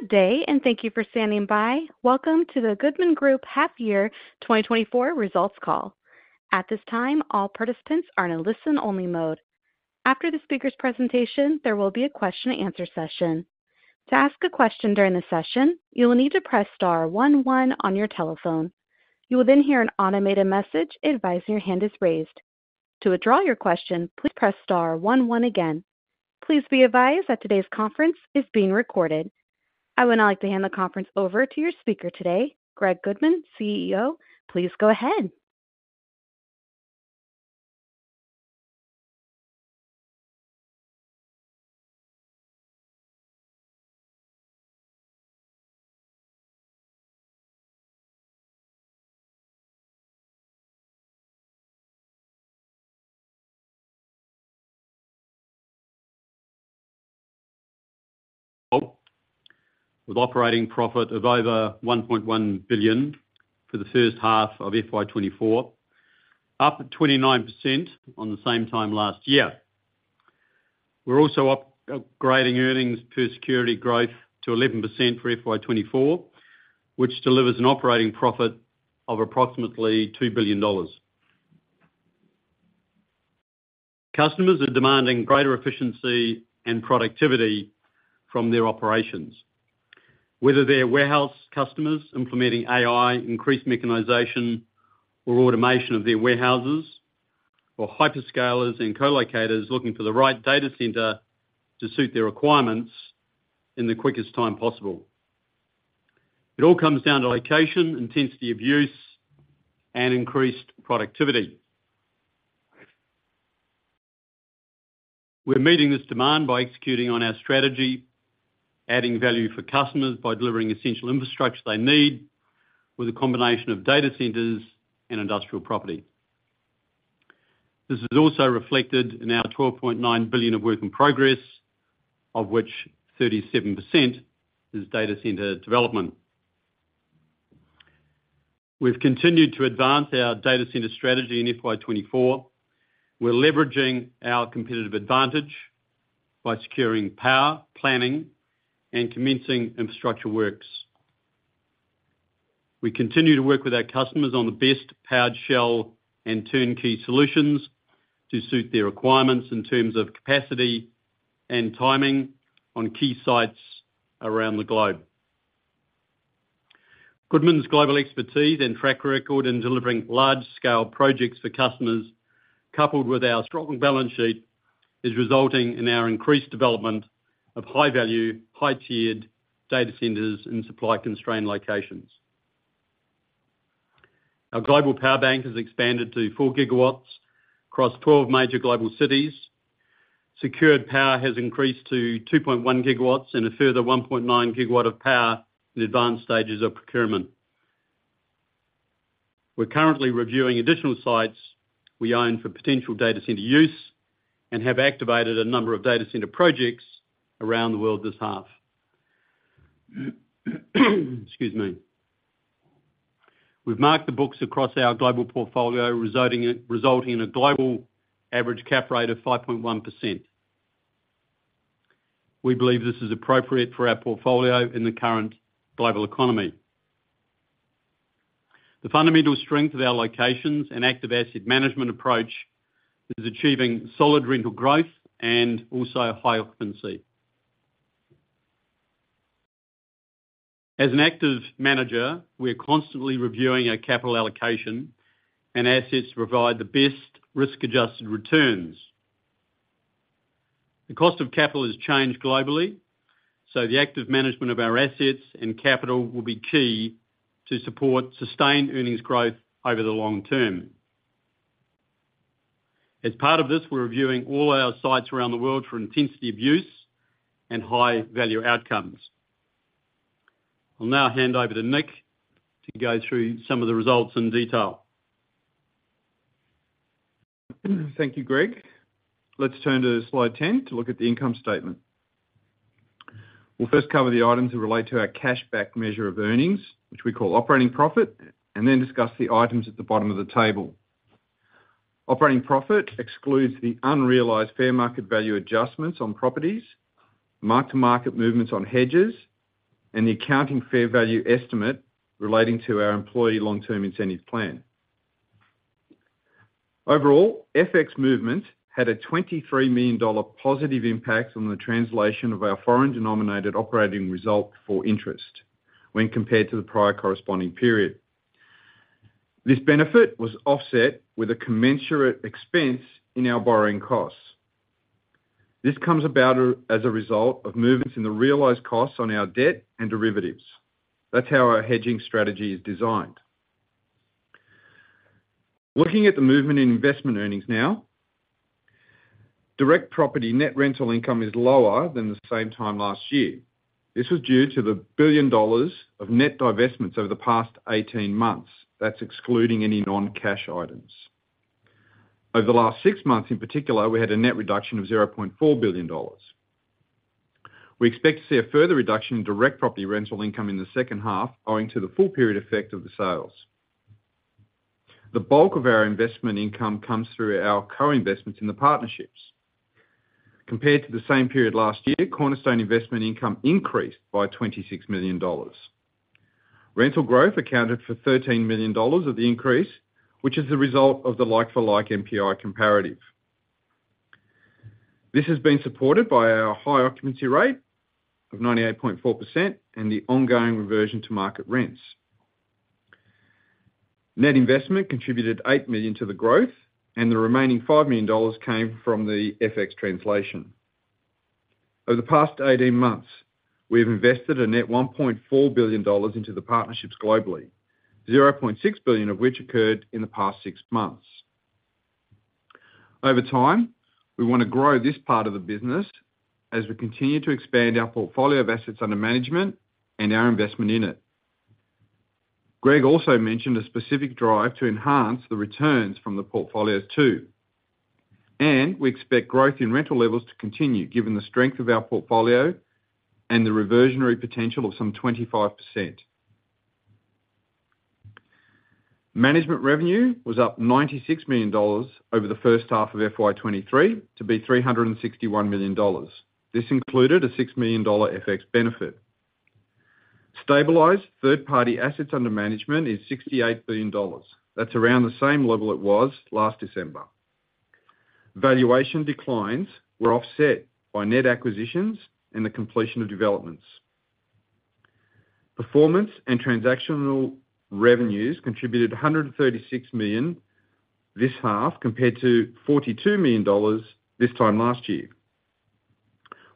Good day and thank you for standing by. Welcome to the Goodman Group half-year 2024 results call. At this time, all participants are in a listen-only mode. After the speaker's presentation, there will be a question-and-answer session. To ask a question during the session, you will need to press star one one on your telephone. You will then hear an automated message advising your hand is raised. To withdraw your question, please press star one one again. Please be advised that today's conference is being recorded. I would now like to hand the conference over to your speaker today, Greg Goodman, CEO. Please go ahead. Hello. With operating profit of over 1.1 billion for the first half of FY 2024, up 29% on the same time last year. We're also upgrading earnings per security growth to 11% for FY 2024, which delivers an operating profit of approximately AUD 2 billion. Customers are demanding greater efficiency and productivity from their operations. Whether they're warehouse customers implementing AI, increased mechanization, or automation of their warehouses, or hyperscalers and colocators looking for the right data center to suit their requirements in the quickest time possible, it all comes down to location, intensity of use, and increased productivity. We're meeting this demand by executing on our strategy, adding value for customers by delivering essential infrastructure they need with a combination of data centers and industrial property. This is also reflected in our 12.9 billion of work in progress, of which 37% is data center development. We've continued to advance our data center strategy in FY 2024. We're leveraging our competitive advantage by securing power, planning, and commencing infrastructure works. We continue to work with our customers on the best Powered Shell and turnkey solutions to suit their requirements in terms of capacity and timing on key sites around the globe. Goodman's global expertise and track record in delivering large-scale projects for customers, coupled with our strong balance sheet, is resulting in our increased development of high-value, high-tiered data centers in supply-constrained locations. Our global power bank has expanded to 4 GW across 12 major global cities. Secured power has increased to 2.1 GW and a further 1.9 GW of power in advanced stages of procurement. We're currently reviewing additional sites we own for potential data center use and have activated a number of data center projects around the world this half. Excuse me. We've marked the books across our global portfolio, resulting in a global average cap rate of 5.1%. We believe this is appropriate for our portfolio in the current global economy. The fundamental strength of our locations and active asset management approach is achieving solid rental growth and also high occupancy. As an active manager, we're constantly reviewing our capital allocation and assets to provide the best risk-adjusted returns. The cost of capital has changed globally, so the active management of our assets and capital will be key to support sustained earnings growth over the long-term. As part of this, we're reviewing all our sites around the world for intensity of use and high-value outcomes. I'll now hand over to Nick to go through some of the results in detail. Thank you, Greg. Let's turn to slide 10 to look at the income statement. We'll first cover the items that relate to our cash-backed measure of earnings, which we call operating profit, and then discuss the items at the bottom of the table. Operating profit excludes the unrealized fair market value adjustments on properties, mark-to-market movements on hedges, and the accounting fair value estimate relating to our employee long-term incentive plan. Overall, FX movements had a 23 million dollar positive impact on the translation of our foreign-denominated operating result for interest when compared to the prior corresponding period. This benefit was offset with a commensurate expense in our borrowing costs. This comes about as a result of movements in the realized costs on our debt and derivatives. That's how our hedging strategy is designed. Looking at the movement in investment earnings now, direct property net rental income is lower than the same time last year. This was due to 1 billion dollars of net divestments over the past 18 months. That's excluding any non-cash items. Over the last six months in particular, we had a net reduction of 0.4 billion dollars. We expect to see a further reduction in direct property rental income in the second half owing to the full period effect of the sales. The bulk of our investment income comes through our co-investments in the partnerships. Compared to the same period last year, cornerstone investment income increased by 26 million dollars. Rental growth accounted for 13 million dollars of the increase, which is the result of the like-for-like NPI comparative. This has been supported by our high occupancy rate of 98.4% and the ongoing reversion to market rents. Net investment contributed 8 million to the growth, and the remaining 5 million dollars came from the FX translation. Over the past 18 months, we have invested a net 1.4 billion dollars into the partnerships globally, 0.6 billion of which occurred in the past six months. Over time, we want to grow this part of the business as we continue to expand our portfolio of assets under management and our investment in it. Greg also mentioned a specific drive to enhance the returns from the portfolios, too. We expect growth in rental levels to continue given the strength of our portfolio and the reversionary potential of some 25%. Management revenue was up 96 million dollars over the first half of FY 2023 to be 361 million dollars. This included a 6 million dollar FX benefit. Stabilized third-party assets under management is 68 billion dollars. That's around the same level it was last December. Valuation declines were offset by net acquisitions and the completion of developments. Performance and transactional revenues contributed 136 million this half compared to 42 million dollars this time last year.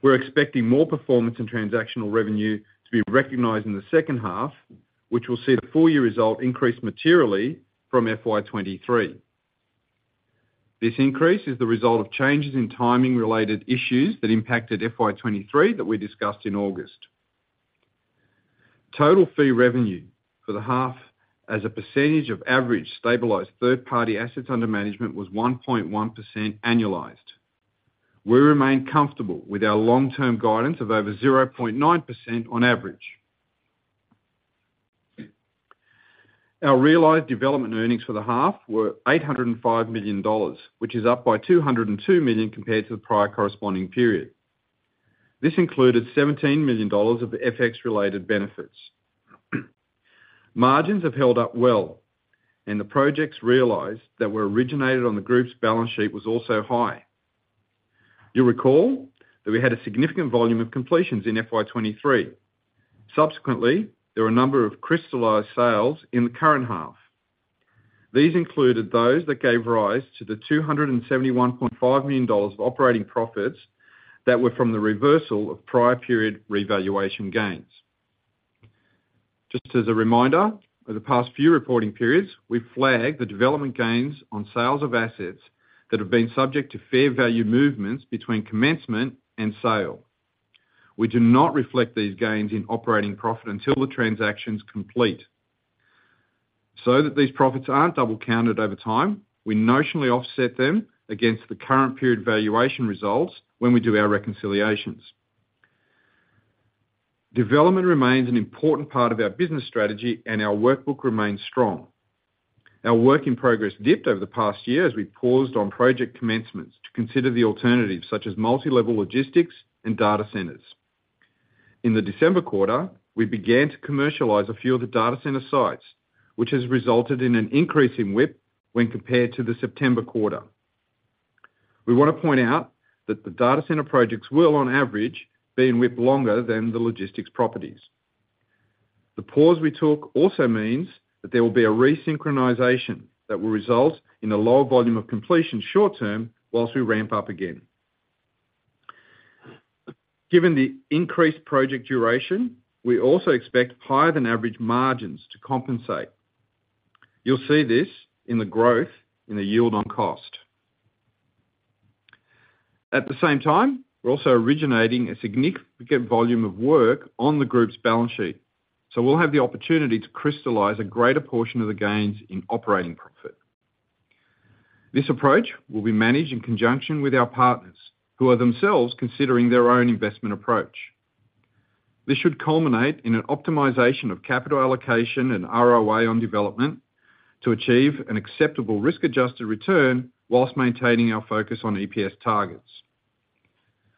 We're expecting more performance and transactional revenue to be recognized in the second half, which will see the full-year result increase materially from FY 2023. This increase is the result of changes in timing-related issues that impacted FY 2023 that we discussed in August. Total fee revenue for the half as a percentage of average stabilized third-party assets under management was 1.1% annualized. We remain comfortable with our long-term guidance of over 0.9% on average. Our realised development earnings for the half were 805 million dollars, which is up by 202 million compared to the prior corresponding period. This included 17 million dollars of FX-related benefits. Margins have held up well, and the projects realized that were originated on the group's balance sheet was also high. You'll recall that we had a significant volume of completions in FY 2023. Subsequently, there were a number of crystallized sales in the current half. These included those that gave rise to the 271.5 million dollars of operating profits that were from the reversal of prior period revaluation gains. Just as a reminder, over the past few reporting periods, we've flagged the development gains on sales of assets that have been subject to fair value movements between commencement and sale. We do not reflect these gains in operating profit until the transactions complete. So that these profits aren't double-counted over time, we notionally offset them against the current period valuation results when we do our reconciliations. Development remains an important part of our business strategy, and our workbook remains strong. Our work in progress dipped over the past year as we paused on project commencements to consider the alternatives such as multi-level logistics and data centers. In the December quarter, we began to commercialize a few of the data center sites, which has resulted in an increase in WIP when compared to the September quarter. We want to point out that the data center projects will, on average, be in WIP longer than the logistics properties. The pause we took also means that there will be a resynchronization that will result in a lower volume of completions short-term while we ramp up again. Given the increased project duration, we also expect higher-than-average margins to compensate. You'll see this in the growth in the yield on cost. At the same time, we're also originating a significant volume of work on the group's balance sheet, so we'll have the opportunity to crystallize a greater portion of the gains in operating profit. This approach will be managed in conjunction with our partners, who are themselves considering their own investment approach. This should culminate in an optimization of capital allocation and ROA on Development to achieve an acceptable risk-adjusted return while maintaining our focus on EPS targets.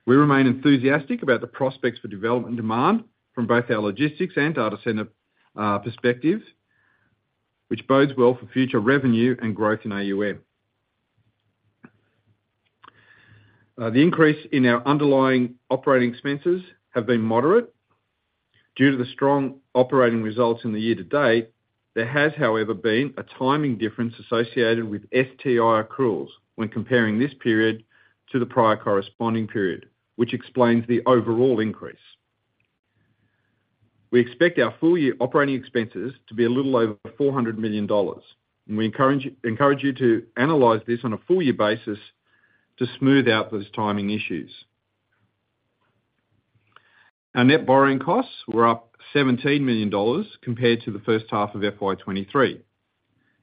We remain enthusiastic about the prospects for Development demand from both our logistics and data center perspective, which bodes well for future revenue and growth in AUM. The increase in our underlying operating expenses has been moderate. Due to the strong operating results in the year to date, there has, however, been a timing difference associated with STI accruals when comparing this period to the prior corresponding period, which explains the overall increase. We expect our full-year operating expenses to be a little over 400 million dollars, and we encourage you to analyze this on a full-year basis to smooth out those timing issues. Our net borrowing costs were up 17 million dollars compared to the first half of FY 2023.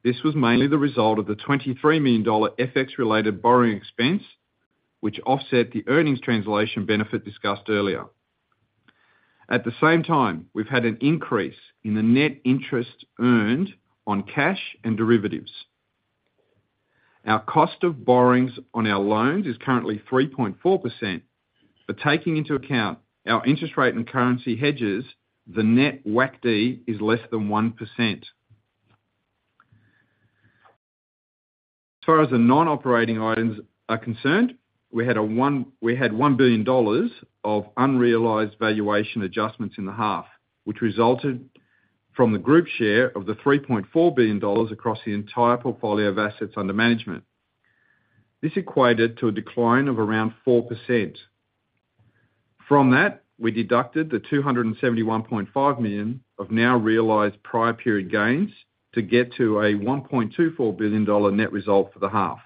This was mainly the result of the 23 million dollar FX-related borrowing expense, which offset the earnings translation benefit discussed earlier. At the same time, we've had an increase in the net interest earned on cash and derivatives. Our cost of borrowings on our loans is currently 3.4%, but taking into account our interest rate and currency hedges, the net WACD is less than 1%. As far as the non-operating items are concerned, we had 1 billion dollars of unrealized valuation adjustments in the half, which resulted from the group share of the 3.4 billion dollars across the entire portfolio of assets under management. This equated to a decline of around 4%. From that, we deducted the 271.5 million of now realized prior period gains to get to a 1.24 billion dollar net result for the half.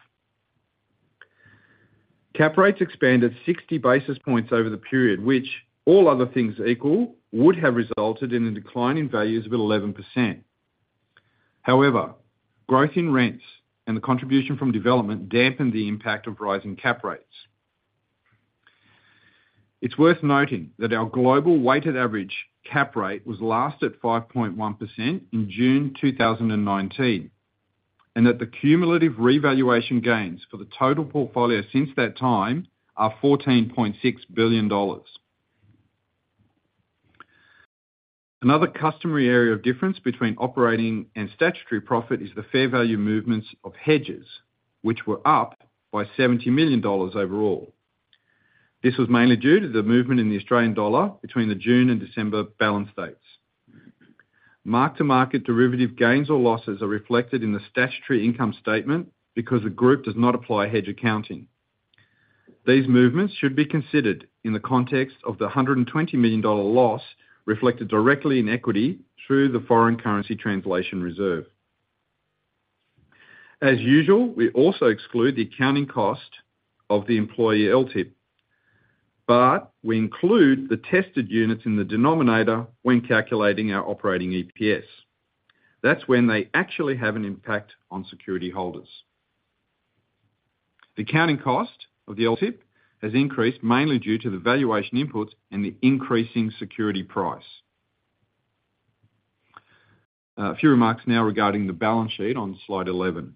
cap rates expanded 60 basis points over the period, which, all other things equal, would have resulted in a decline in values of 11%. However, growth in rents and the contribution from Development dampened the impact of rising cap rates. It's worth noting that our global weighted average cap rate was last at 5.1% in June 2019, and that the cumulative revaluation gains for the total portfolio since that time are 14.6 billion dollars. Another customary area of difference between operating and statutory profit is the fair value movements of hedges, which were up by 70 million dollars overall. This was mainly due to the movement in the Australian dollar between the June and December balance states. Mark-to-market derivative gains or losses are reflected in the statutory income statement because the group does not apply hedge accounting. These movements should be considered in the context of the 120 million dollar loss reflected directly in equity through the foreign currency translation reserve. As usual, we also exclude the accounting cost of the employee LTIP, but we include the tested units in the denominator when calculating our operating EPS. That's when they actually have an impact on security holders. The accounting cost of the LTIP has increased mainly due to the valuation inputs and the increasing security price. A few remarks now regarding the balance sheet on slide 11.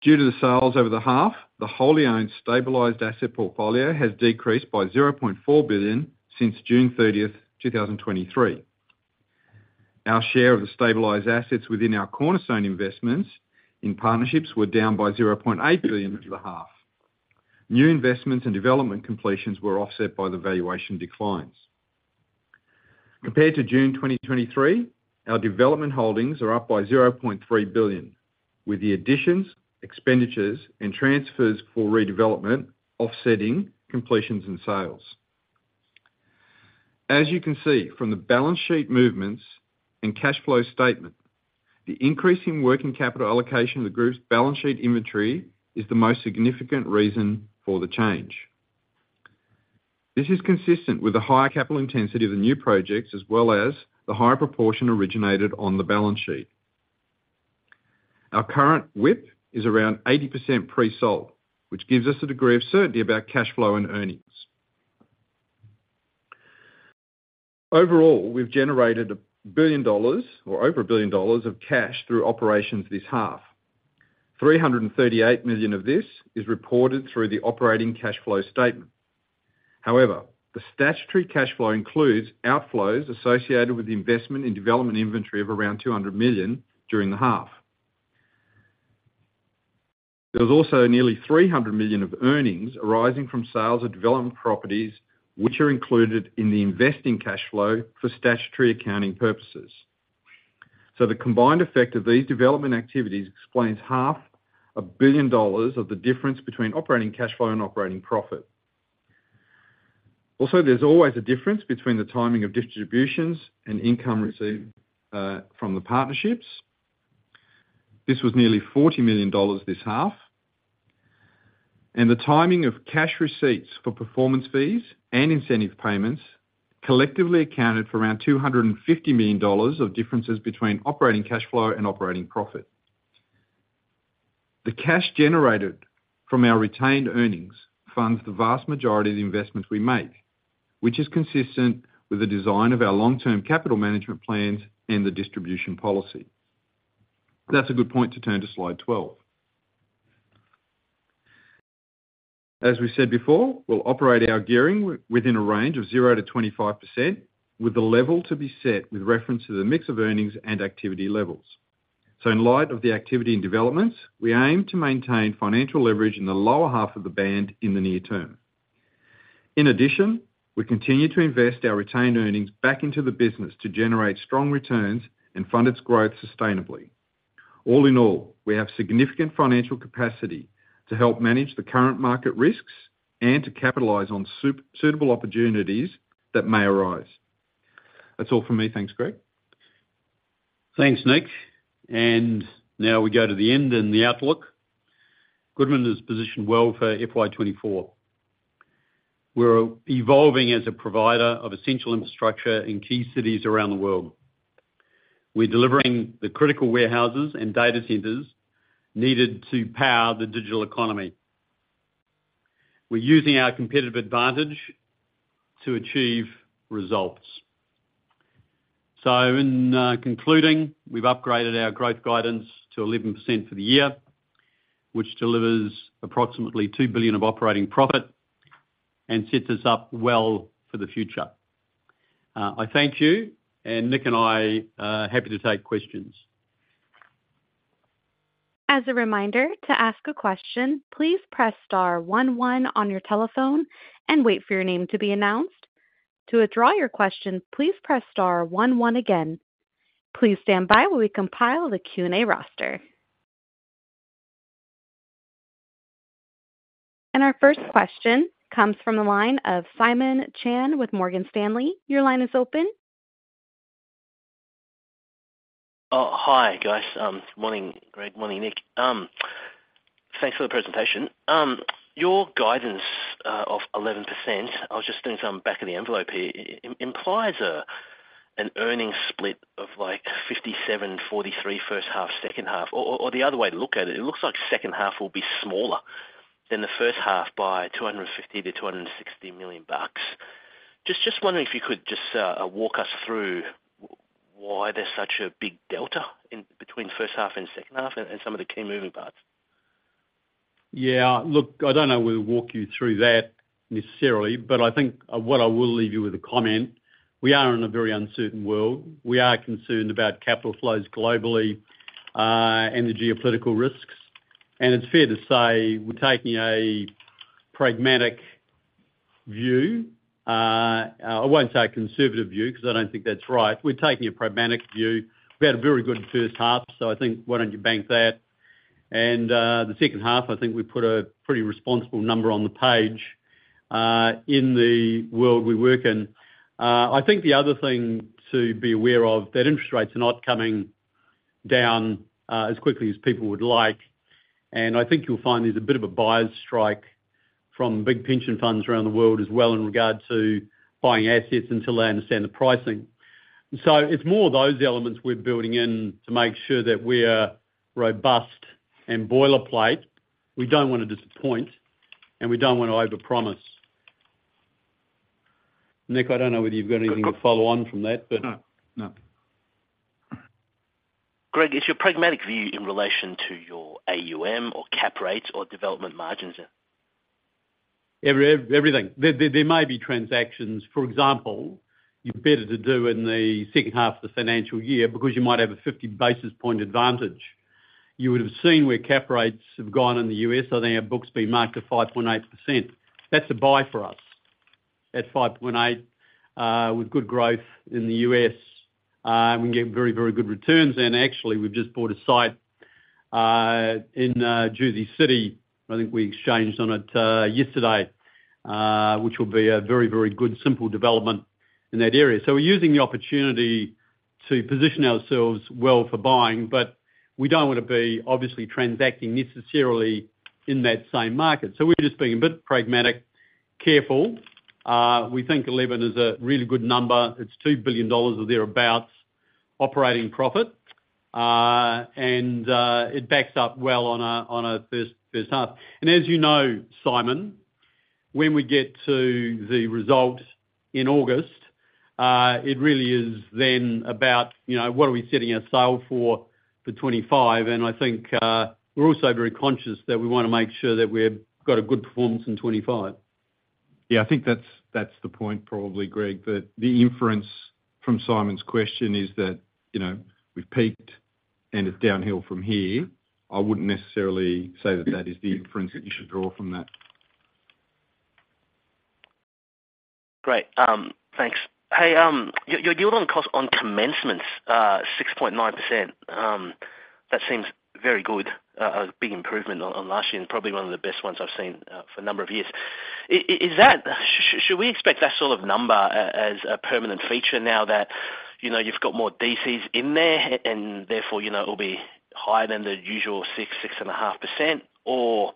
Due to the sales over the half, the wholly owned stabilised asset portfolio has decreased by 0.4 billion since June 30th, 2023. Our share of the stabilized assets within our cornerstone investments in partnerships were down by 0.8 billion over the half. New Investments and Development completions were offset by the valuation declines. Compared to June 2023, our Development holdings are up by 0.3 billion, with the additions, expenditures, and transfers for redevelopment offsetting completions and sales. As you can see from the balance sheet movements and cash flow statement, the increase in working capital allocation of the group's balance sheet inventory is the most significant reason for the change. This is consistent with the higher capital intensity of the new projects as well as the higher proportion originated on the balance sheet. Our current WIP is around 80% pre-sold, which gives us a degree of certainty about cash flow and earnings. Overall, we've generated 1 billion dollars or over 1 billion dollars of cash through operations this half. 338 million of this is reported through the operating cash flow statement. However, the statutory cash flow includes outflows associated with the investment in Development inventory of around 200 million during the half. There was also nearly 300 million of earnings arising from sales of development properties, which are included in the investing cash flow for statutory accounting purposes. So the combined effect of these Development activities explains 500 million dollars of the difference between operating cash flow and operating profit. Also, there's always a difference between the timing of distributions and income received from the partnerships. This was nearly 40 million dollars this half. And the timing of cash receipts for performance fees and incentive payments collectively accounted for around 250 million dollars of differences between operating cash flow and operating profit. The cash generated from our retained earnings funds the vast majority of the investments we make, which is consistent with the design of our long-term capital management plans and the distribution policy. That's a good point to turn to slide 12. As we said before, we'll operate our gearing within a range of 0%-25% with the level to be set with reference to the mix of earnings and activity levels. So in light of the activity and developments, we aim to maintain financial leverage in the lower half of the band in the near-term. In addition, we continue to invest our retained earnings back into the business to generate strong returns and fund its growth sustainably. All in all, we have significant financial capacity to help manage the current market risks and to capitalize on suitable opportunities that may arise. That's all from me. Thanks, Greg. Thanks, Nick. And now we go to the end and the outlook. Goodman is positioned well for FY 2024. We're evolving as a provider of essential infrastructure in key cities around the world. We're delivering the critical warehouses and data centers needed to power the digital economy. We're using our competitive advantage to achieve results. So in concluding, we've upgraded our growth guidance to 11% for the year, which delivers approximately 2 billion of operating profit and sets us up well for the future. I thank you, and Nick and I are happy to take questions. As a reminder, to ask a question, please press star one one on your telephone and wait for your name to be announced. To withdraw your question, please press star one one again. Please stand by while we compile the Q&A roster. Our first question comes from the line of Simon Chan with Morgan Stanley. Your line is open. Hi, guys. Good morning, Greg. Good morning, Nick. Thanks for the presentation. Your guidance of 11%, I was just doing some back-of-the-envelope here, implies an earnings split of 57, 43 first half, second half. Or the other way to look at it, it looks like second half will be smaller than the first half by 250 million-260 million bucks. Just wondering if you could just walk us through why there's such a big delta between first half and second half and some of the key moving parts. Yeah. Look, I don't know we'll walk you through that necessarily, but I think what I will leave you with a comment: we are in a very uncertain world. We are concerned about capital flows globally and the geopolitical risks. And it's fair to say we're taking a pragmatic view - I won't say a conservative view because I don't think that's right - we're taking a pragmatic view. We've had a very good first half, so I think why don't you bank that? And the second half, I think we put a pretty responsible number on the page in the world we work in. I think the other thing to be aware of, that interest rates are not coming down as quickly as people would like. And I think you'll find there's a bit of a buyer's strike from big pension funds around the world as well in regard to buying assets until they understand the pricing. So it's more those elements we're building in to make sure that we're robust and boilerplate. We don't want to disappoint, and we don't want to overpromise. Nick, I don't know whether you've got anything to follow on from that, but. No. No. Greg, is your pragmatic view in relation to your AUM or cap rates or Development margins? Everything. There may be transactions. For example, you better to do in the second half of the financial year because you might have a 50 basis point advantage. You would have seen where cap rates have gone in the U.S., so they've been booked at 5.8%. That's a buy for us at 5.8% with good growth in the U.S. We can get very, very good returns there. Actually, we've just bought a site in Jersey City - I think we exchanged on it yesterday - which will be a very, very good simple development in that area. So we're using the opportunity to position ourselves well for buying, but we don't want to be obviously transacting necessarily in that same market. So we're just being a bit pragmatic, careful. We think 11 is a really good number. It's 2 billion dollars or thereabouts operating profit, and it backs up well on a first half. And as you know, Simon, when we get to the result in August, it really is then about what are we setting our sail for for 2025? And I think we're also very conscious that we want to make sure that we've got a good performance in 2025. Yeah. I think that's the point, probably, Greg, that the inference from Simon's question is that we've peaked and it's downhill from here. I wouldn't necessarily say that that is the inference that you should draw from that. Great. Thanks. Hey, your yield on commencements, 6.9%, that seems very good, a big improvement on last year and probably one of the best ones I've seen for a number of years. Should we expect that sort of number as a permanent feature now that you've got more DCs in there and therefore it'll be higher than the usual 6%-6.5%? Or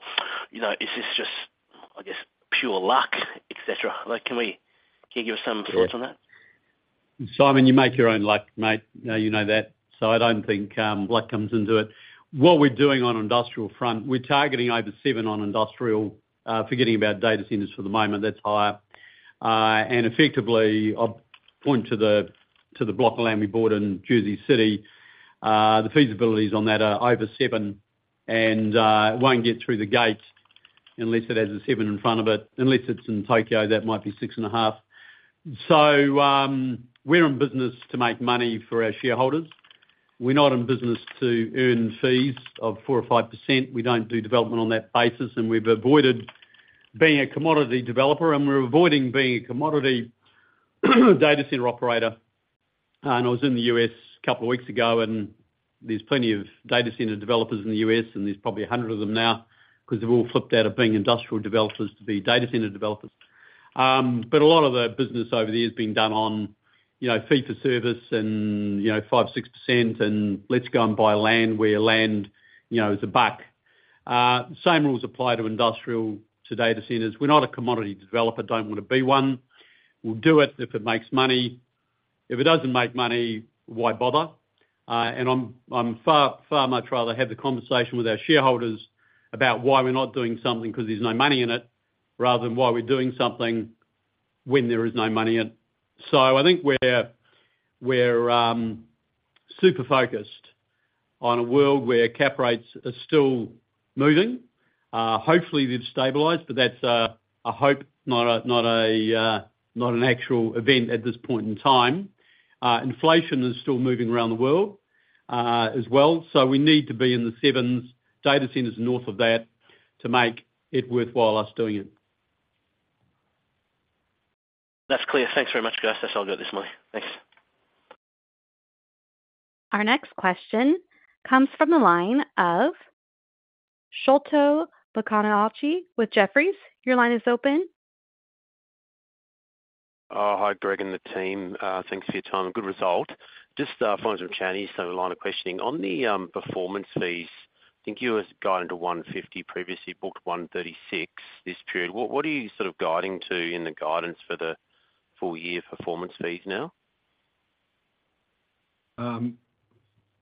is this just, I guess, pure luck, etc.? Can you give us some thoughts on that? Simon, you make your own luck, mate. You know that. So I don't think luck comes into it. What we're doing on industrial front, we're targeting over 7 on industrial. Forgetting about data centers for the moment, that's higher. And effectively, I'll point to the block of land we bought in Jersey City. The feasibilities on that are over 7, and it won't get through the gate unless it has a 7 in front of it. Unless it's in Tokyo, that might be 6.5. So we're in business to make money for our shareholders. We're not in business to earn fees of 4% or 5%. We don't do development on that basis. And we've avoided being a commodity developer, and we're avoiding being a commodity data center operator. I was in the U.S. a couple of weeks ago, and there's plenty of data center developers in the U.S., and there's probably 100 of them now because they've all flipped out of being industrial developers to be data center developers. But a lot of the business over there's been done on fee for service and 5%-6% and let's go and buy land where land is $1. Same rules apply to industrial, to data centers. We're not a commodity developer. Don't want to be one. We'll do it if it makes money. If it doesn't make money, why bother? And I'd much rather have the conversation with our shareholders about why we're not doing something because there's no money in it rather than why we're doing something when there is no money in it. So I think we're super focused on a world where cap rates are still moving. Hopefully, they've stabilized, but that's a hope, not an actual event at this point in time. Inflation is still moving around the world as well. So we need to be in the 7s, data centers north of that, to make it worthwhile us doing it. That's clear. Thanks very much, guys. That's all I've got this morning. Thanks. Our next question comes from the line of Sholto Maconochie with Jefferies. Your line is open. Hi, Greg and the team. Thanks for your time. Good result. Just finding some questions, so a line of questioning. On the performance fees, I think you guided to 150 previously. Booked 136 this period. What are you sort of guiding to in the guidance for the full year performance fees now?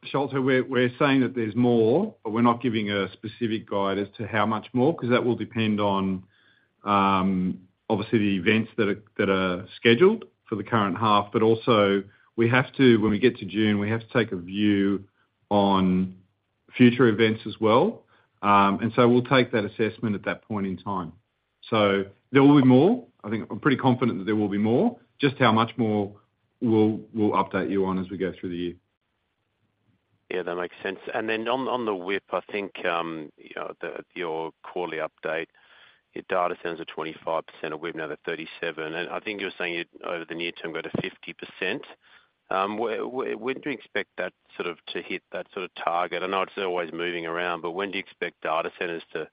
Sholto, we're saying that there's more, but we're not giving a specific guide as to how much more because that will depend on, obviously, the events that are scheduled for the current half. But also, when we get to June, we have to take a view on future events as well. And so we'll take that assessment at that point in time. So there will be more. I'm pretty confident that there will be more. Just how much more we'll update you on as we go through the year. Yeah, that makes sense. And then on the WIP, I think your quarterly update, your data centers are 25% of WIP, now they're 37%. And I think you were saying over the near-term go to 50%. When do you expect that sort of to hit that sort of target? I know it's always moving around, but when do you expect data centers to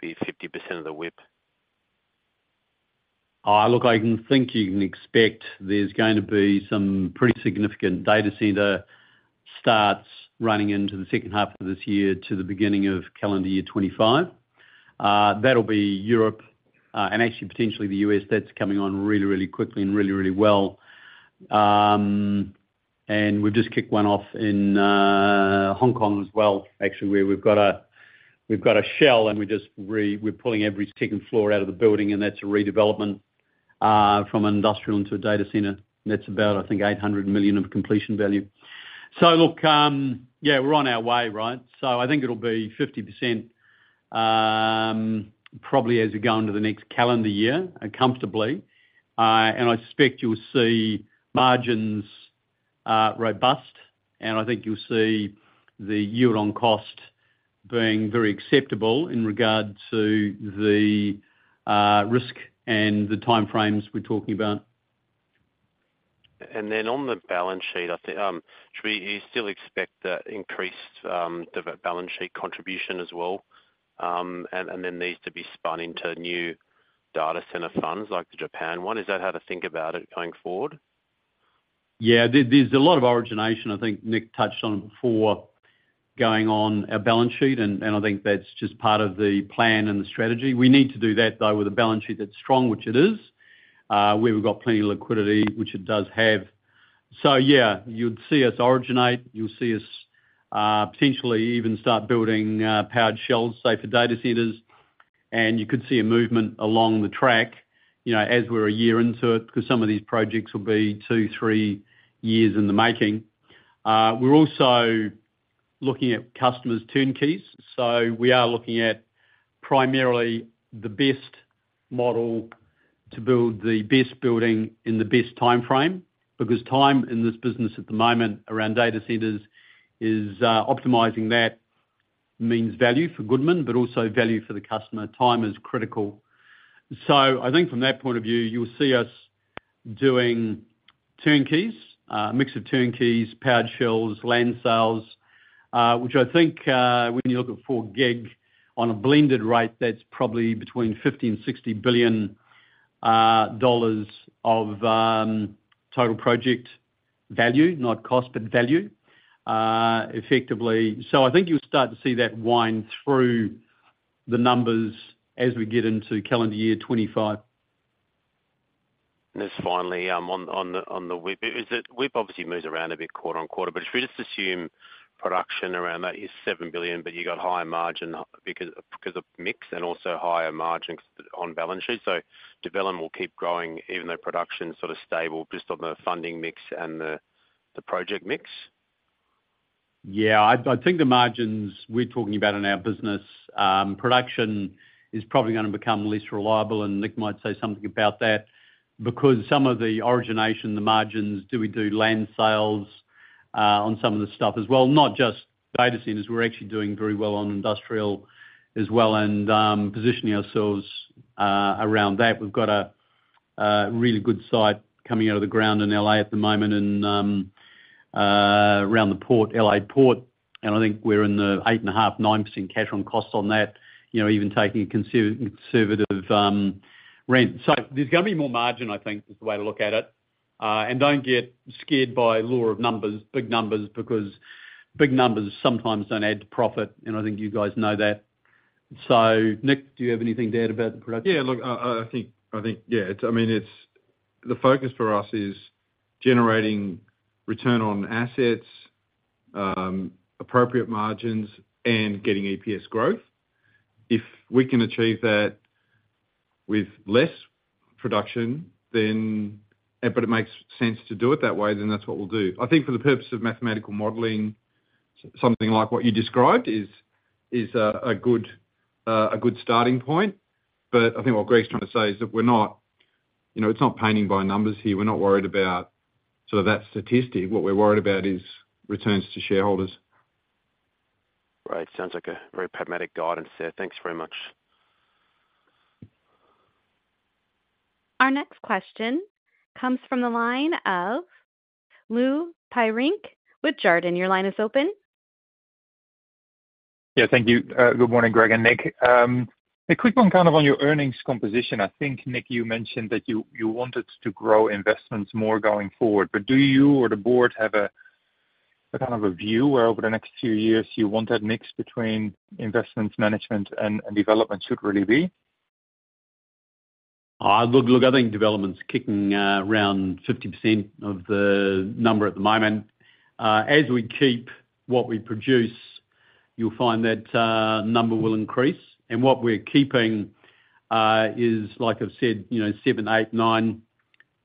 be 50% of the WIP? Look, I can think you can expect there's going to be some pretty significant data center starts running into the second half of this year to the beginning of calendar year 2025. That'll be Europe and actually potentially the U.S. That's coming on really, really quickly and really, really well. And we've just kicked one off in Hong Kong as well, actually, where we've got a shell and we're pulling every second floor out of the building, and that's a redevelopment from an industrial into a data center. And that's about, I think, 800 million of completion value. So look, yeah, we're on our way, right? So I think it'll be 50% probably as we go into the next calendar year comfortably. I suspect you'll see margins robust, and I think you'll see the yield on cost being very acceptable in regard to the risk and the timeframes we're talking about. Then on the balance sheet, I think should we still expect that increased balance sheet contribution as well and then these to be spun into new data center funds like the Japan one? Is that how to think about it going forward? Yeah. There's a lot of origination. I think Nick touched on it before going on our balance sheet, and I think that's just part of the plan and the strategy. We need to do that, though, with a balance sheet that's strong, which it is, where we've got plenty of liquidity, which it does have. So yeah, you'd see us originate. You'll see us potentially even start building Powered Shells, say, for data centers. You could see a movement along the track as we're a year into it because some of these projects will be two, three years in the making. We're also looking at customers' turnkeys. So we are looking at primarily the best model to build the best building in the best timeframe because time in this business at the moment around data centers is optimizing that means value for Goodman, but also value for the customer. Time is critical. So I think from that point of view, you'll see us doing turnkeys, a mix of turnkeys, Powered Shells, land sales, which I think when you look at 4 gig on a blended rate, that's probably between $50 billion-$60 billion of total project value, not cost, but value effectively. So I think you'll start to see that wind through the numbers as we get into calendar year 2025. And then finally, on the WIP, obviously, it moves around a bit quarter-on-quarter. But if we just assume production around that, you're 7 billion, but you've got higher margin because of mix and also higher margin on balance sheet. So development will keep growing even though production's sort of stable just on the funding mix and the project mix? Yeah. I think the margins we're talking about in our business, production is probably going to become less reliable, and Nick might say something about that because some of the origination, the margins, do we do land sales on some of the stuff as well, not just data centers? We're actually doing very well on industrial as well and positioning ourselves around that. We've got a really good site coming out of the ground in L.A. at the moment around the port, L.A. Port. And I think we're in the 8.5%-9% cash on cost on that, even taking a conservative rent. So there's going to be more margin, I think, is the way to look at it. And don't get scared by the lure of numbers, big numbers, because big numbers sometimes don't add to profit, and I think you guys know that. So Nick, do you have anything to add about the production? Yeah. Look, I think yeah. I mean, the focus for us is generating return on assets, appropriate margins, and getting EPS growth. If we can achieve that with less production, but it makes sense to do it that way, then that's what we'll do. I think for the purpose of mathematical modeling, something like what you described is a good starting point. But I think what Greg's trying to say is that we're not, it's not painting by numbers here. We're not worried about sort of that statistic. What we're worried about is returns to shareholders. Right. Sounds like a very pragmatic guidance there. Thanks very much. Our next question comes from the line of Lou Pirenc with Jarden. Your line is open. Yeah. Thank you. Good morning, Greg and Nick. A quick one kind of on your earnings composition. I think, Nick, you mentioned that you wanted to grow investments more going forward. But do you or the board have a kind of a view where over the next few years you want that mix between Investments Management and Development should really be? Look, I think Development's kicking around 50% of the number at the moment. As we keep what we produce, you'll find that number will increase. And what we're keeping is, like I've said, 7%, 8%,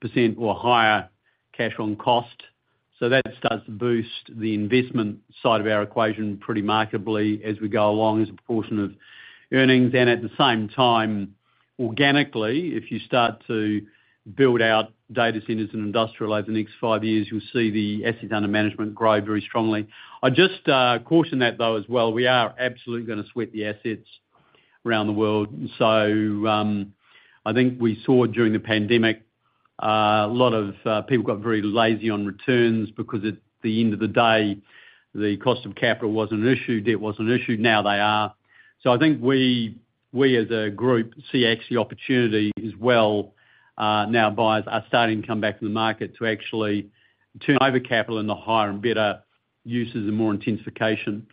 9% or higher cash on cost. So that starts to boost the investment side of our equation pretty markedly as we go along as a proportion of earnings. And at the same time, organically, if you start to build out data centers and industrial over the next five years, you'll see the assets under management grow very strongly. I just caution that, though, as well. We are absolutely going to sweat the assets around the world. And so I think we saw during the pandemic, a lot of people got very lazy on returns because at the end of the day, the cost of capital wasn't an issue. Debt wasn't an issue. Now they are. So I think we, as a group, see actually opportunity as well now by us starting to come back to the market to actually turn over capital in the higher and better uses and more intensification.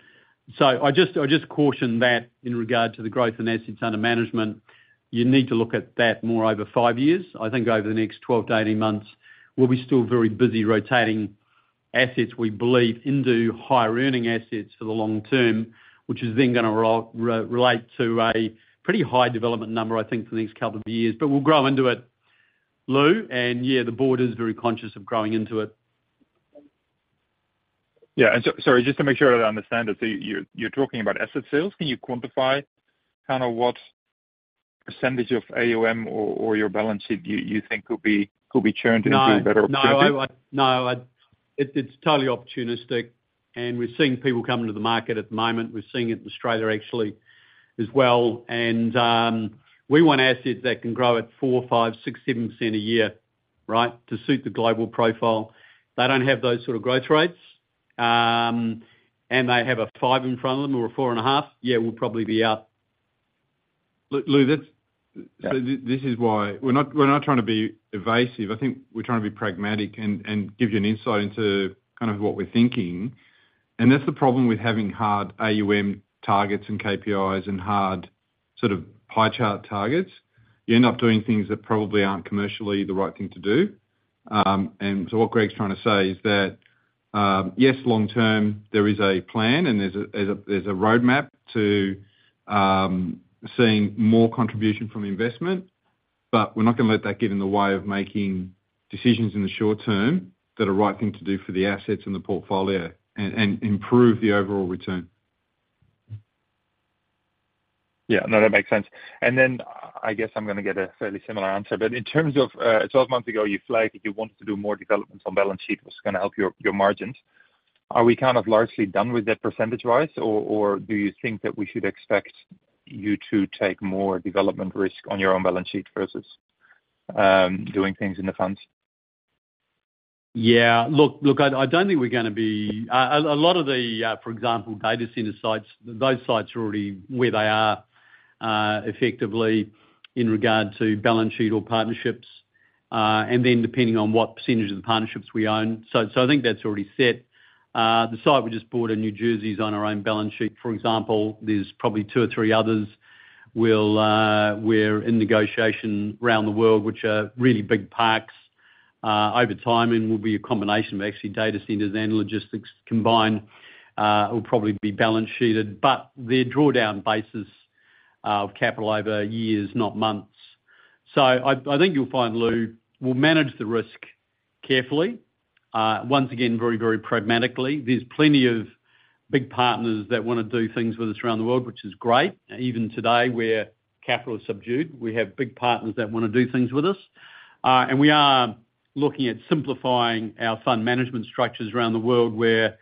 So I just caution that in regard to the growth in assets under management. You need to look at that more over five years. I think over the next 12-18 months, we'll be still very busy rotating assets, we believe, into higher earning assets for the long-term, which is then going to relate to a pretty high development number, I think, for the next couple of years. But we'll grow into it, Lou. And yeah, the board is very conscious of growing into it. Yeah. Sorry, just to make sure that I understand it, so you're talking about asset sales. Can you quantify kind of what percentage of AUM or your balance sheet you think could be churned into a better opportunity? No. No. It's totally opportunistic. We're seeing people come into the market at the moment. We're seeing it in Australia, actually, as well. We want assets that can grow at 4%-7% a year, right, to suit the global profile. They don't have those sort of growth rates. They have a five in front of them or a 4.5. Yeah, we'll probably be out. Lou, so this is why we're not trying to be evasive. I think we're trying to be pragmatic and give you an insight into kind of what we're thinking. And that's the problem with having hard AUM targets and KPIs and hard sort of pie chart targets. You end up doing things that probably aren't commercially the right thing to do. And so what Greg's trying to say is that, yes, long-term, there is a plan and there's a roadmap to seeing more contribution from investment, but we're not going to let that get in the way of making decisions in the short-term that are the right thing to do for the assets and the portfolio and improve the overall return. Yeah. No, that makes sense. And then I guess I'm going to get a fairly similar answer. But in terms of 12 months ago, you flagged that you wanted to do more developments on balance sheet was going to help your margins. Are we kind of largely done with that percentage-wise, or do you think that we should expect you to take more development risk on your own balance sheet versus doing things in the funds? Yeah. Look, I don't think we're going to be a lot of the, for example, data center sites, those sites are already where they are effectively in regard to balance sheet or partnerships. And then depending on what percentage of the partnerships we own. So I think that's already set. The site we just bought in New Jersey is on our own balance sheet. For example, there's probably two or three others where we're in negotiation around the world, which are really big parks over time, and will be a combination of actually data centers and logistics combined will probably be balance sheeted, but their drawdown basis of capital over years, not months. So I think you'll find, Lou, we'll manage the risk carefully. Once again, very, very pragmatically. There's plenty of big partners that want to do things with us around the world, which is great. Even today, where capital is subdued, we have big partners that want to do things with us. And we are looking at simplifying our fund management structures around the world where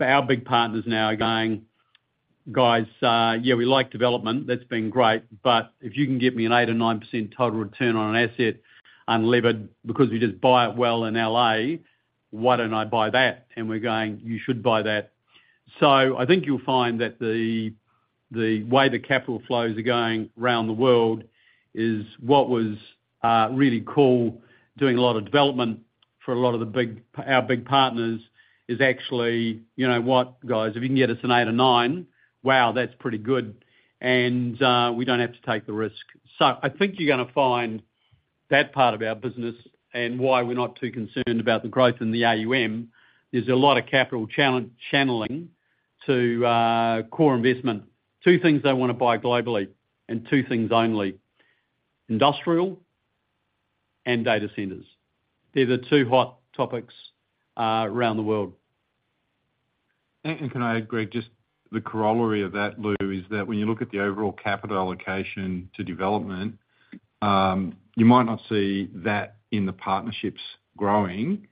our big partners now are going, "Guys, yeah, we like development. That's been great. But if you can get me an 8% or 9% total return on an asset unlevered because we just buy it well in LA, why don't I buy that?" And we're going, "You should buy that." So I think you'll find that the way the capital flows are going around the world is what was really cool, doing a lot of development for a lot of our big partners is actually, "What, guys, if you can get us an 8% or 9%, wow, that's pretty good. We don't have to take the risk." So I think you're going to find that part of our business and why we're not too concerned about the growth in the AUM, there's a lot of capital channeling to core investment, two things they want to buy globally and two things only, industrial and data centers. They're the two hot topics around the world. And can I add, Greg, just the corollary of that, Lou, is that when you look at the overall capital allocation to development, you might not see that in the partnerships growing.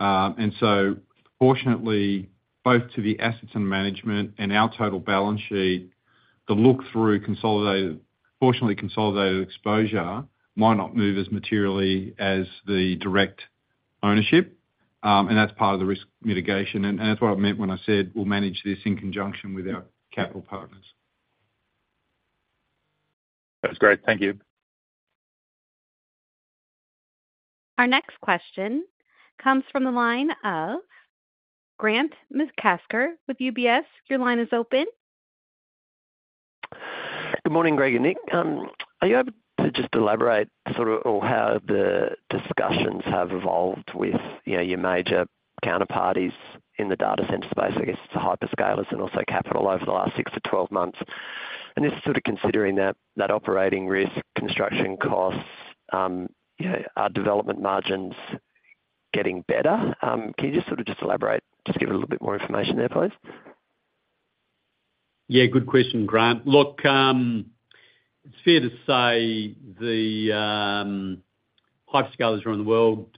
And so fortunately, both to the assets and management and our total balance sheet, the fortunately consolidated exposure might not move as materially as the direct ownership. And that's part of the risk mitigation. And that's what I meant when I said, "We'll manage this in conjunction with our capital partners. That was great. Thank you. Our next question comes from the line of Grant McCasker with UBS. Your line is open. Good morning, Greg and Nick. Are you able to just elaborate sort of on how the discussions have evolved with your major counterparties in the data center space? I guess it's the hyperscalers and also capital over the last six-12 months. And this is sort of considering that operating risk, construction costs, are Development margins getting better? Can you just sort of just elaborate, just give a little bit more information there, please? Yeah. Good question, Grant. Look, it's fair to say the hyperscalers around the world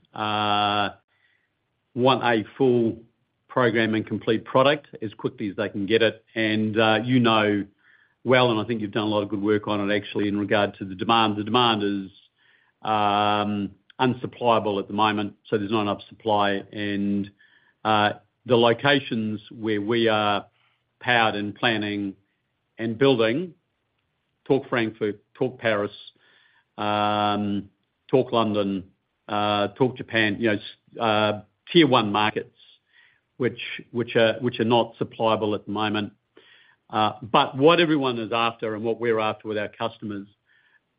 want a full program and complete product as quickly as they can get it. And you know well, and I think you've done a lot of good work on it actually in regard to the demand. The demand is unsupplyable at the moment, so there's not enough supply. And the locations where we are powered and planning and building, talk Frankfurt, talk Paris, talk London, talk Japan, Tier 1 markets, which are not supplyable at the moment. But what everyone is after and what we're after with our customers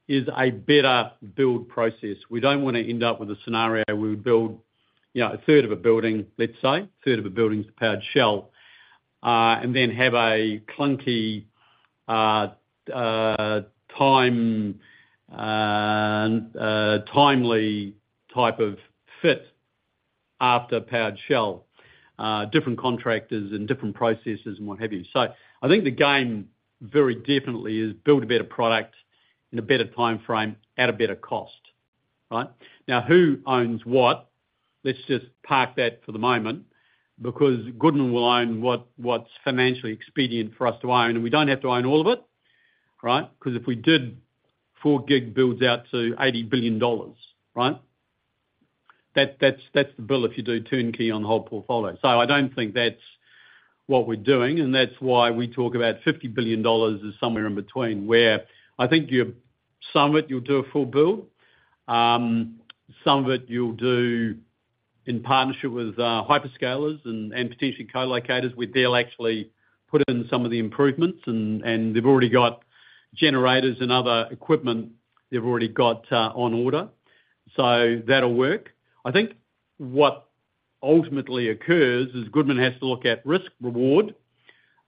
is a better build process. We don't want to end up with a scenario where we build a third of a building, let's say, a third of a building's the Powered Shell, and then have a clunky timely type of fit after Powered Shell, different contractors and different processes and what have you. So I think the game very definitely is build a better product in a better timeframe at a better cost, right? Now, who owns what? Let's just park that for the moment because Goodman will own what's financially expedient for us to own. And we don't have to own all of it, right? Because if we did, 4 gig builds out to $80 billion, right? That's the bill if you do turnkey on the whole portfolio. So I don't think that's what we're doing. That's why we talk about $50 billion, which is somewhere in between where I think some of it you'll do a full build. Some of it you'll do in partnership with hyperscalers and potentially colocators where they'll actually put in some of the improvements. And they've already got generators and other equipment they've already got on order. So that'll work. I think what ultimately occurs is Goodman has to look at risk-reward.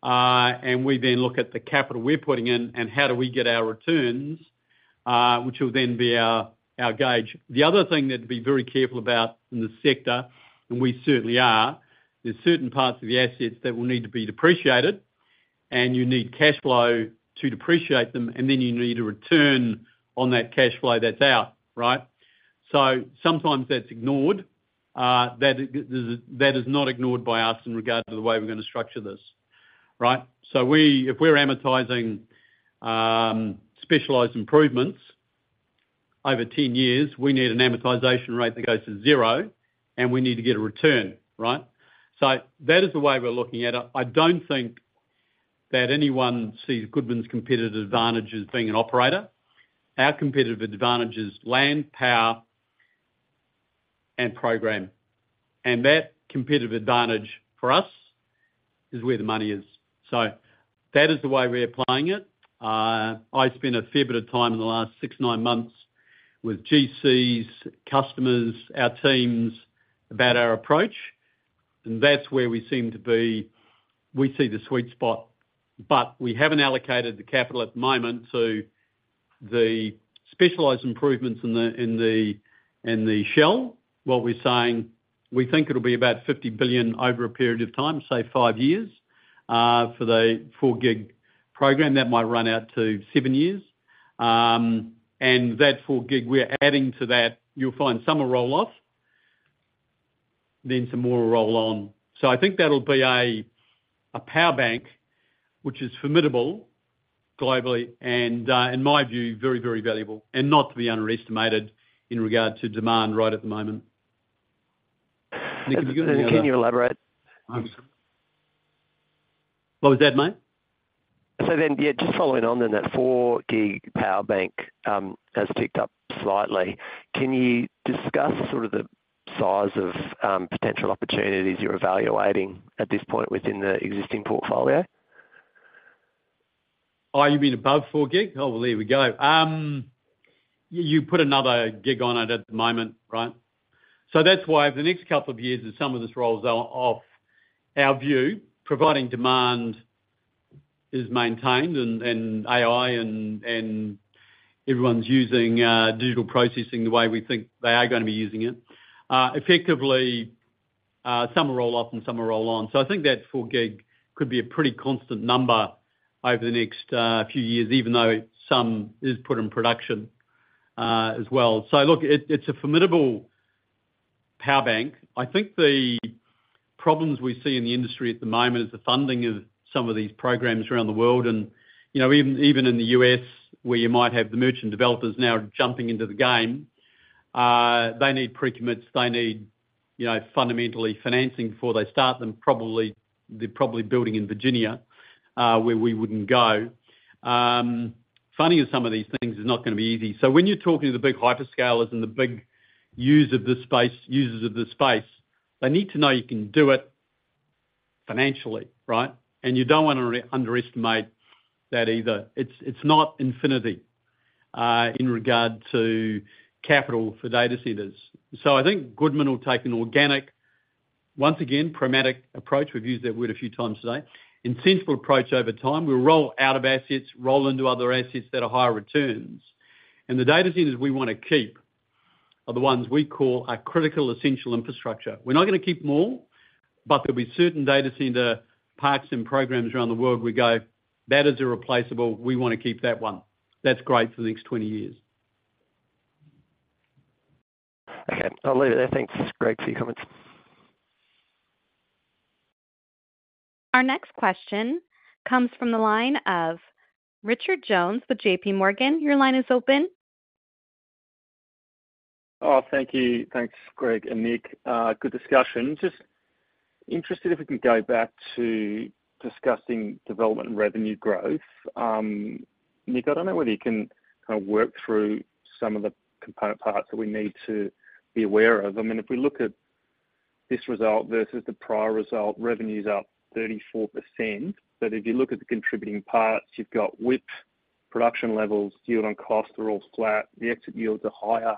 And we then look at the capital we're putting in and how do we get our returns, which will then be our gauge. The other thing that to be very careful about in the sector, and we certainly are, there's certain parts of the assets that will need to be depreciated. And you need cash flow to depreciate them. And then you need a return on that cash flow that's out, right? So sometimes that's ignored. That is not ignored by us in regard to the way we're going to structure this, right? So if we're amortizing specialized improvements over 10 years, we need an amortization rate that goes to zero. And we need to get a return, right? So that is the way we're looking at it. I don't think that anyone sees Goodman's competitive advantages being an operator. Our competitive advantage is land, power, and program. And that competitive advantage for us is where the money is. So that is the way we're applying it. I've spent a fair bit of time in the last six-nine months with GCs, customers, our teams about our approach. And that's where we seem to be. We see the sweet spot. But we haven't allocated the capital at the moment to the specialized improvements in the shell. What we're saying, we think it'll be about 50 billion over a period of time, say five years, for the 4 gig program. That might run out to seven years. And that 4 gig we're adding to that, you'll find some a roll-off, then some more a roll-on. So I think that'll be a power bank, which is formidable globally and, in my view, very, very valuable and not to be underestimated in regard to demand right at the moment. Nick, have you got anything else? Can you elaborate? I'm sorry. What was that, mate? So then, yeah, just following on then, that 4 gig power bank has ticked up slightly. Can you discuss sort of the size of potential opportunities you're evaluating at this point within the existing portfolio? Do you mean above 4 gig? Oh, well, here we go. You put another gig on it at the moment, right? So that's why over the next couple of years and some of this rolls off, our view, providing demand is maintained and AI and everyone's using digital processing the way we think they are going to be using it. Effectively, some are rolled off and some are rolled on. So I think that 4 gig could be a pretty constant number over the next few years, even though some is put in production as well. So look, it's a formidable power bank. I think the problems we see in the industry at the moment is the funding of some of these programs around the world. And even in the U.S., where you might have the merchant developers now jumping into the game, they need pre-commits. They need fundamentally financing before they start them. They're probably building in Virginia where we wouldn't go. Funding of some of these things is not going to be easy. So when you're talking to the big hyperscalers and the big users of the space, they need to know you can do it financially, right? You don't want to underestimate that either. It's not infinity in regard to capital for data centers. So I think Goodman will take an organic, once again, pragmatic approach (we've used that word a few times today) incentible approach over time. We'll roll out of assets, roll into other assets that are higher returns. The data centers we want to keep are the ones we call our critical essential infrastructure. We're not going to keep more, but there'll be certain data center parks and programs around the world where we go, "That is irreplaceable. We want to keep that one. That's great for the next 20 years. Okay. I'll leave it there. Thanks. Great for your comments. Our next question comes from the line of Richard Jones with JPMorgan. Your line is open. Oh, thank you. Thanks, Greg and Nick. Good discussion. Just interested if we can go back to discussing Development and revenue growth. Nick, I don't know whether you can kind of work through some of the component parts that we need to be aware of. I mean, if we look at this result versus the prior result, revenue's up 34%. But if you look at the contributing parts, you've got WIP, production levels, yield on cost are all flat. The exit yields are higher.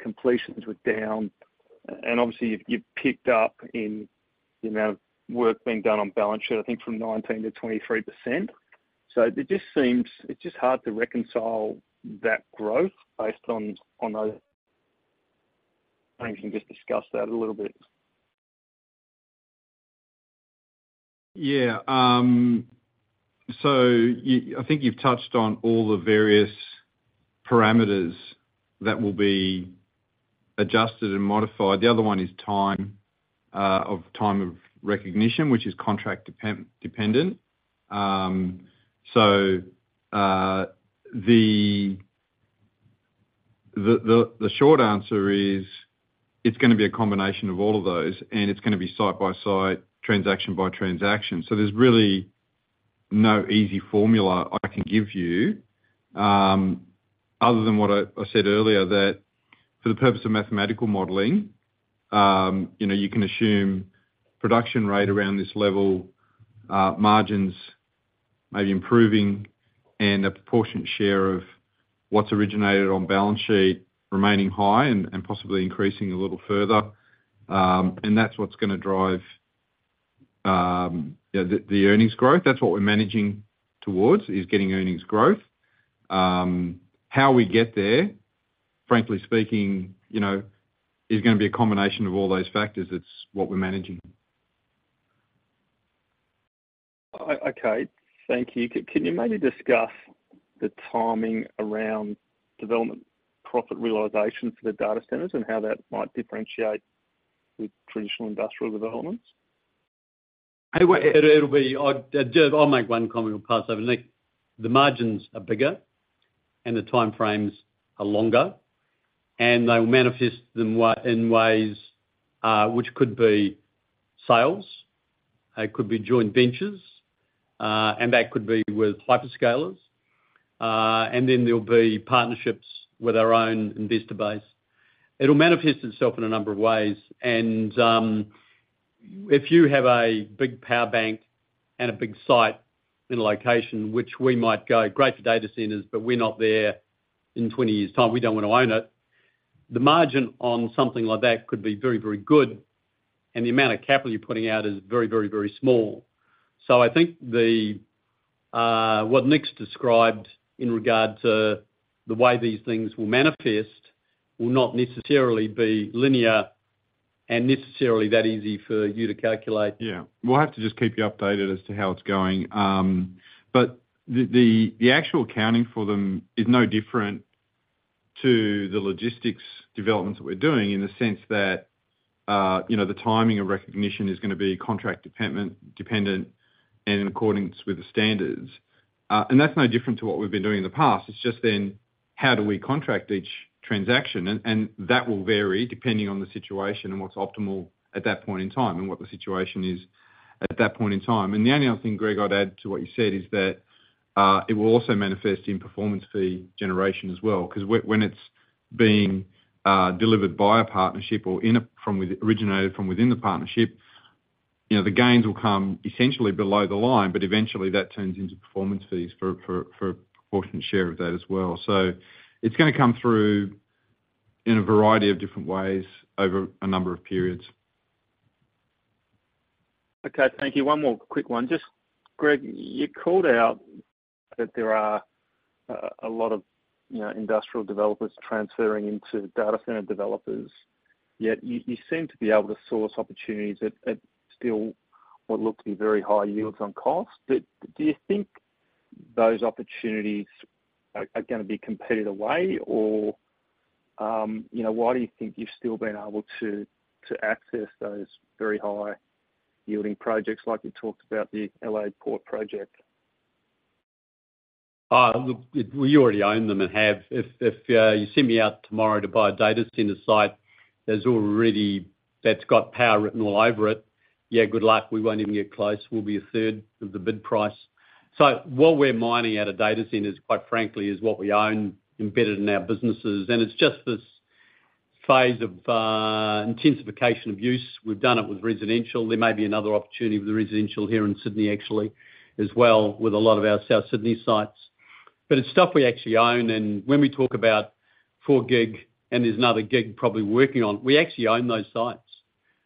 Completions were down. And obviously, you've picked up in the amount of work being done on balance sheet, I think, from 19%-23%. So it just seems it's just hard to reconcile that growth based on those. I think you can just discuss that a little bit. Yeah. So I think you've touched on all the various parameters that will be adjusted and modified. The other one is time of recognition, which is contract-dependent. So the short answer is it's going to be a combination of all of those. And it's going to be site by site, transaction by transaction. So there's really no easy formula I can give you other than what I said earlier that for the purpose of mathematical modelling, you can assume production rate around this level, margins maybe improving, and a proportionate share of what's originated on balance sheet remaining high and possibly increasing a little further. And that's what's going to drive the earnings growth. That's what we're managing towards, is getting earnings growth. How we get there, frankly speaking, is going to be a combination of all those factors. It's what we're managing. Okay. Thank you. Can you maybe discuss the timing around Development profit realization for the data centers and how that might differentiate with traditional industrial developments? It'll be. I'll make one comment. We'll pass over. Nick, the margins are bigger and the timeframes are longer. They will manifest them in ways which could be sales. It could be joint ventures. That could be with hyperscalers. Then there'll be partnerships with our own investor base. It'll manifest itself in a number of ways. If you have a big power bank and a big site in a location which we might go, "Great for data centers, but we're not there in 20 years' time. We don't want to own it," the margin on something like that could be very, very good. The amount of capital you're putting out is very, very, very small. So I think what Nick's described in regard to the way these things will manifest will not necessarily be linear and necessarily that easy for you to calculate. Yeah. We'll have to just keep you updated as to how it's going. But the actual accounting for them is no different to the logistics developments that we're doing in the sense that the timing of recognition is going to be contract-dependent and in accordance with the standards. And that's no different to what we've been doing in the past. It's just then how do we contract each transaction? And that will vary depending on the situation and what's optimal at that point in time and what the situation is at that point in time. And the only other thing, Greg, I'd add to what you said is that it will also manifest in performance fee generation as well. Because when it's being delivered by a partnership or originated from within the partnership, the gains will come essentially below the line. But eventually, that turns into performance fees for a proportionate share of that as well. So it's going to come through in a variety of different ways over a number of periods. Okay. Thank you. One more quick one. Just, Greg, you called out that there are a lot of industrial developers transferring into data center developers. Yet you seem to be able to source opportunities at still what look to be very high yields on cost. But do you think those opportunities are going to be competed away? Or why do you think you've still been able to access those very high-yielding projects like you talked about, the LA port project? Look, we already own them and have. If you send me out tomorrow to buy a data center site, that's got power written all over it, yeah, good luck. We won't even get close. We'll be a third of the bid price. So what we're mining at a data center is, quite frankly, what we own embedded in our businesses. And it's just this phase of intensification of use. We've done it with residential. There may be another opportunity with the residential here in Sydney, actually, as well with a lot of our South Sydney sites. But it's stuff we actually own. And when we talk about 4 gig and there's another gig probably working on, we actually own those sites.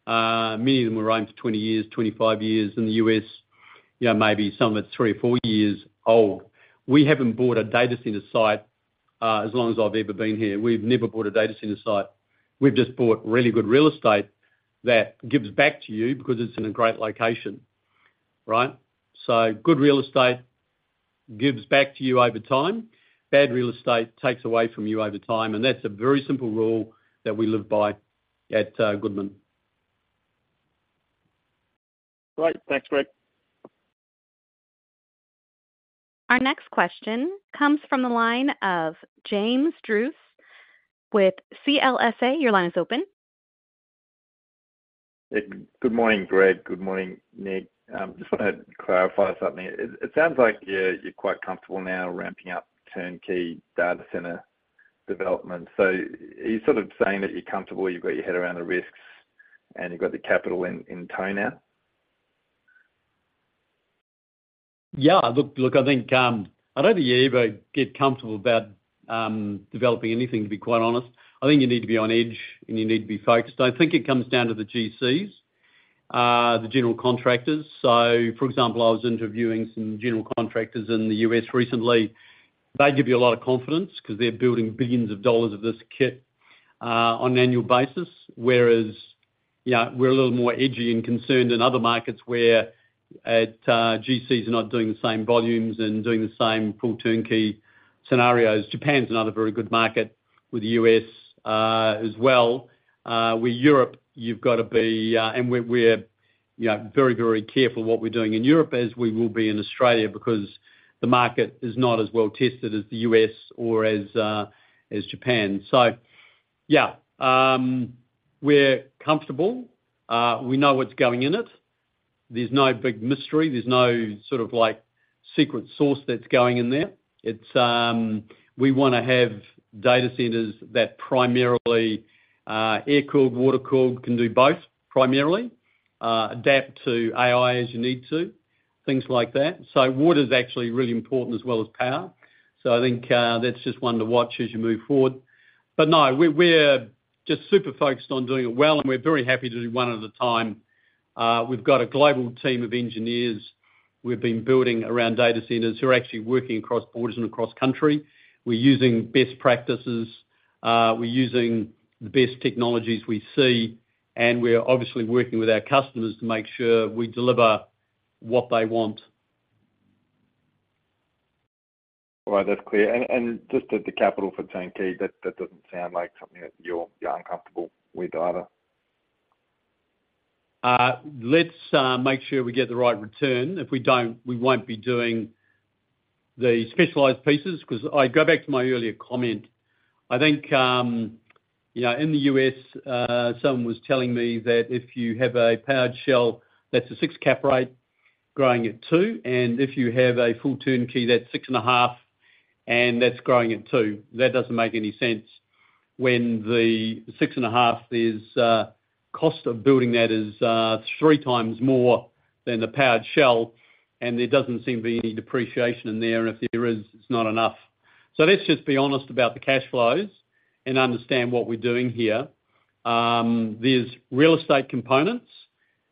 Many of them were owned for 20 years, 25 years in the U.S. Maybe some of it's three or four years old. We haven't bought a data center site as long as I've ever been here. We've never bought a data center site. We've just bought really good real estate that gives back to you because it's in a great location, right? So good real estate gives back to you over time. Bad real estate takes away from you over time. That's a very simple rule that we live by at Goodman. Great. Thanks, Greg. Our next question comes from the line of James Druce with CLSA. Your line is open. Good morning, Greg. Good morning, Nick. Just want to clarify something. It sounds like you're quite comfortable now ramping up turnkey data center development. So are you sort of saying that you're comfortable? You've got your head around the risks. And you've got the capital in tow now? Yeah. Look, I don't think you ever get comfortable about developing anything, to be quite honest. I think you need to be on edge. You need to be focused. I think it comes down to the GCs, the general contractors. So for example, I was interviewing some general contractors in the U.S. recently. They give you a lot of confidence because they're building billions of dollars of this kit on an annual basis. Whereas we're a little more edgy and concerned in other markets where GCs are not doing the same volumes and doing the same full turnkey scenarios. Japan's another very good market with the U.S. as well. Where Europe, you've got to be and we're very, very careful what we're doing in Europe as we will be in Australia because the market is not as well tested as the U.S. or as Japan. So yeah, we're comfortable. We know what's going in it. There's no big mystery. There's no sort of secret sauce that's going in there. We want to have data centers that primarily air-cooled, water-cooled, can do both primarily, adapt to AI as you need to, things like that. So water's actually really important as well as power. So I think that's just one to watch as you move forward. But no, we're just super focused on doing it well. And we're very happy to do one at a time. We've got a global team of engineers we've been building around data centers who are actually working across borders and across country. We're using best practices. We're using the best technologies we see. And we're obviously working with our customers to make sure we deliver what they want. Right. That's clear. And just the capital for turnkey, that doesn't sound like something that you're uncomfortable with either. Let's make sure we get the right return. If we don't, we won't be doing the specialized pieces. Because I'd go back to my earlier comment. I think in the U.S., someone was telling me that if you have a Powered Shell, that's a 6-cap rate growing at two. And if you have a full turnkey, that's 6.5. And that's growing at two. That doesn't make any sense. When the 6.5, the cost of building that is three times more than the Powered Shell. And there doesn't seem to be any depreciation in there. And if there is, it's not enough. So let's just be honest about the cash flows and understand what we're doing here. There's real estate components.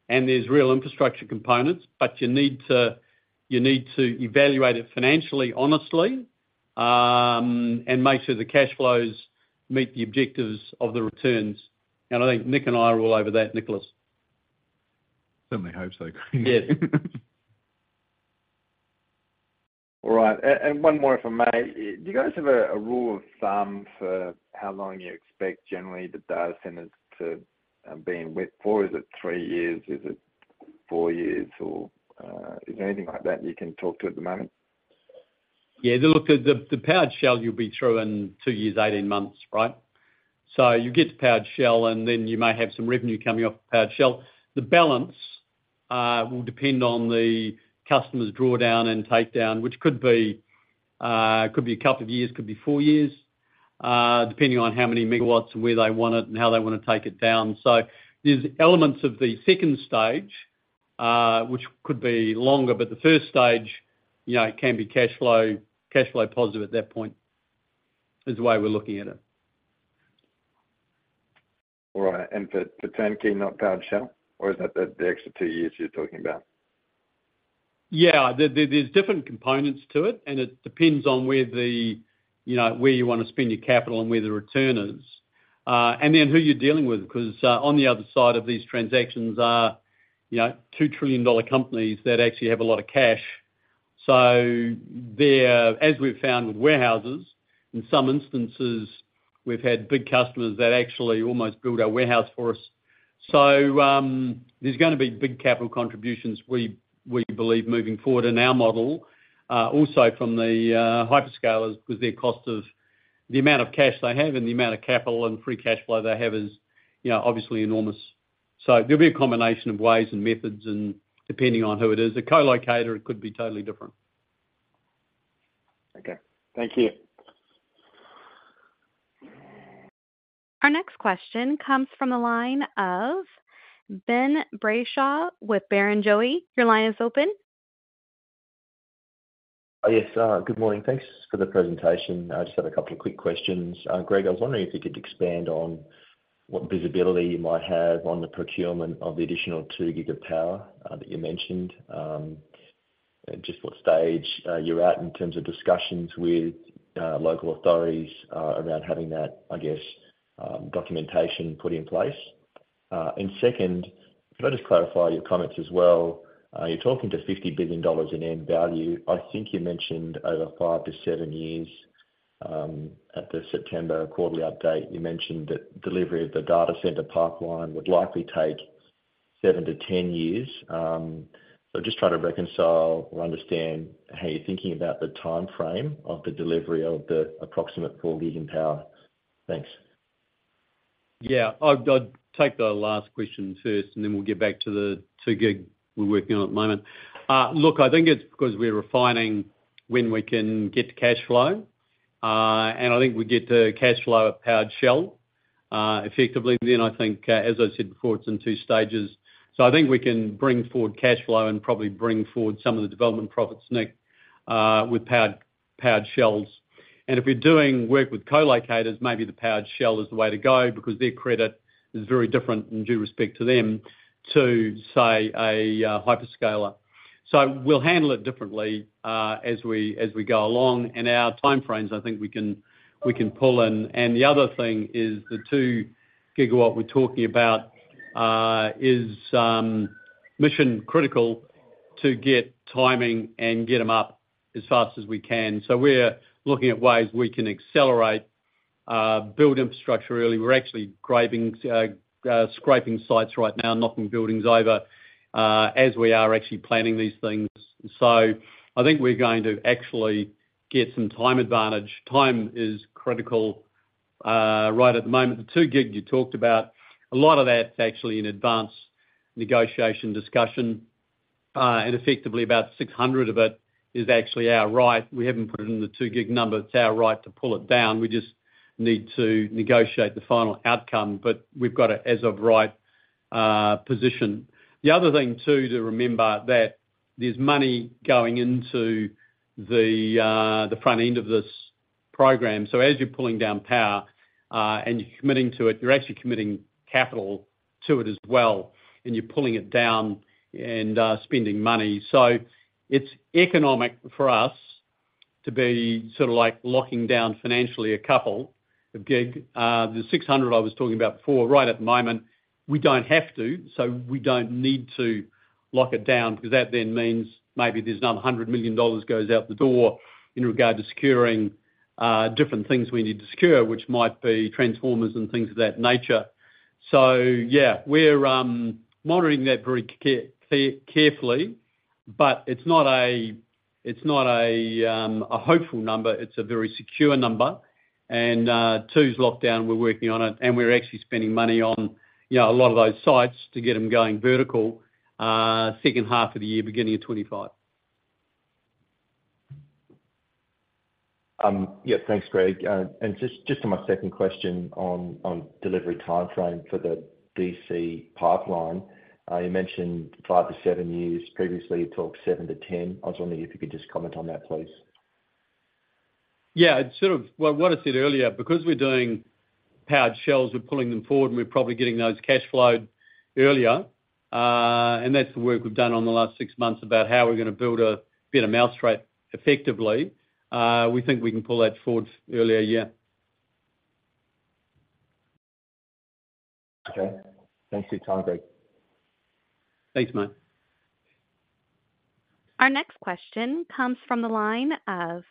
There's real infrastructure components. You need to evaluate it financially, honestly, and make sure the cash flows meet the objectives of the returns. I think Nick and I are all over that, Nicholas. Certainly hope so. Yes. All right. And one more if I may. Do you guys have a rule of thumb for how long you expect, generally, the data centers to be in WIP for? Is it three years? Is it four years? Or is there anything like that you can talk to at the moment? Yeah. The Powered Shell, you'll be through in two years, 18 months, right? So you get the Powered Shell. And then you may have some revenue coming off the Powered Shell. The balance will depend on the customer's drawdown and takedown, which could be a couple of years. Could be four years, depending on how many megawatts and where they want it and how they want to take it down. So there's elements of the second stage, which could be longer. But the first stage, it can be cash flow positive at that point is the way we're looking at it. All right. And for turnkey, not Powered Shell? Or is that the extra two years you're talking about? Yeah. There's different components to it. It depends on where you want to spend your capital and where the return is. Who you're dealing with. Because on the other side of these transactions are $2 trillion companies that actually have a lot of cash. So as we've found with warehouses, in some instances, we've had big customers that actually almost built our warehouse for us. So there's going to be big capital contributions, we believe, moving forward in our model, also from the hyperscalers because the amount of cash they have and the amount of capital and free cash flow they have is obviously enormous. So there'll be a combination of ways and methods and depending on who it is. A colocator, it could be totally different. Okay. Thank you. Our next question comes from the line of Ben Brayshaw with Barrenjoey. Your line is open. Yes. Good morning. Thanks for the presentation. I just had a couple of quick questions. Greg, I was wondering if you could expand on what visibility you might have on the procurement of the additional 2 gig of power that you mentioned, just what stage you're at in terms of discussions with local authorities around having that, I guess, documentation put in place. And second, could I just clarify your comments as well? You're talking to 50 billion dollars in end value. I think you mentioned over five-seven years at the September quarterly update. You mentioned that delivery of the data center pipeline would likely take seven-10 years. So just trying to reconcile or understand how you're thinking about the timeframe of the delivery of the approximate 4 gig in power. Thanks. Yeah. I'd take the last question first. Then we'll get back to the 2 gig we're working on at the moment. Look, I think it's because we're refining when we can get to cash flow. And I think we get to cash flow at Powered Shell, effectively. Then I think, as I said before, it's in two stages. So I think we can bring forward cash flow and probably bring forward some of the development profits, Nick, with Powered Shells. And if we're doing work with colocators, maybe the Powered Shell is the way to go because their credit is very different in due respect to them to, say, a hyperscaler. So we'll handle it differently as we go along. And our timeframes, I think we can pull in. The other thing is the 2 GW we're talking about is mission critical to get timing and get them up as fast as we can. So we're looking at ways we can accelerate, build infrastructure early. We're actually scraping sites right now, knocking buildings over as we are actually planning these things. So I think we're going to actually get some time advantage. Time is critical right at the moment. The 2 GW you talked about, a lot of that's actually in advance negotiation discussion. And effectively, about 600 of it is actually our right. We haven't put it in the 2 GW number. It's our right to pull it down. We just need to negotiate the final outcome. But we've got an as-of-right position. The other thing, too, to remember that there's money going into the front end of this program. So as you're pulling down power and you're committing to it, you're actually committing capital to it as well. And you're pulling it down and spending money. So it's economic for us to be sort of like locking down financially a couple of gig. The 600 I was talking about before, right at the moment, we don't have to. So we don't need to lock it down. Because that then means maybe there's another 100 million dollars goes out the door in regard to securing different things we need to secure, which might be transformers and things of that nature. So yeah, we're monitoring that very carefully. But it's not a hopeful number. It's a very secure number. And two's locked down. We're working on it. And we're actually spending money on a lot of those sites to get them going vertical second half of the year, beginning of 2025. Yeah. Thanks, Greg. And just to my second question on delivery timeframe for the DC pipeline, you mentioned five-seven years. Previously, you talked seven-10. I was wondering if you could just comment on that, please. Yeah. Well, what I said earlier, because we're doing Powered Shells, we're pulling them forward. And we're probably getting those cash flowed earlier. And that's the work we've done on the last six months about how we're going to build a bit of mousetrap effectively. We think we can pull that forward earlier, yeah. Okay. Thanks for your time, Greg. Thanks, mate. Our next question comes from the line of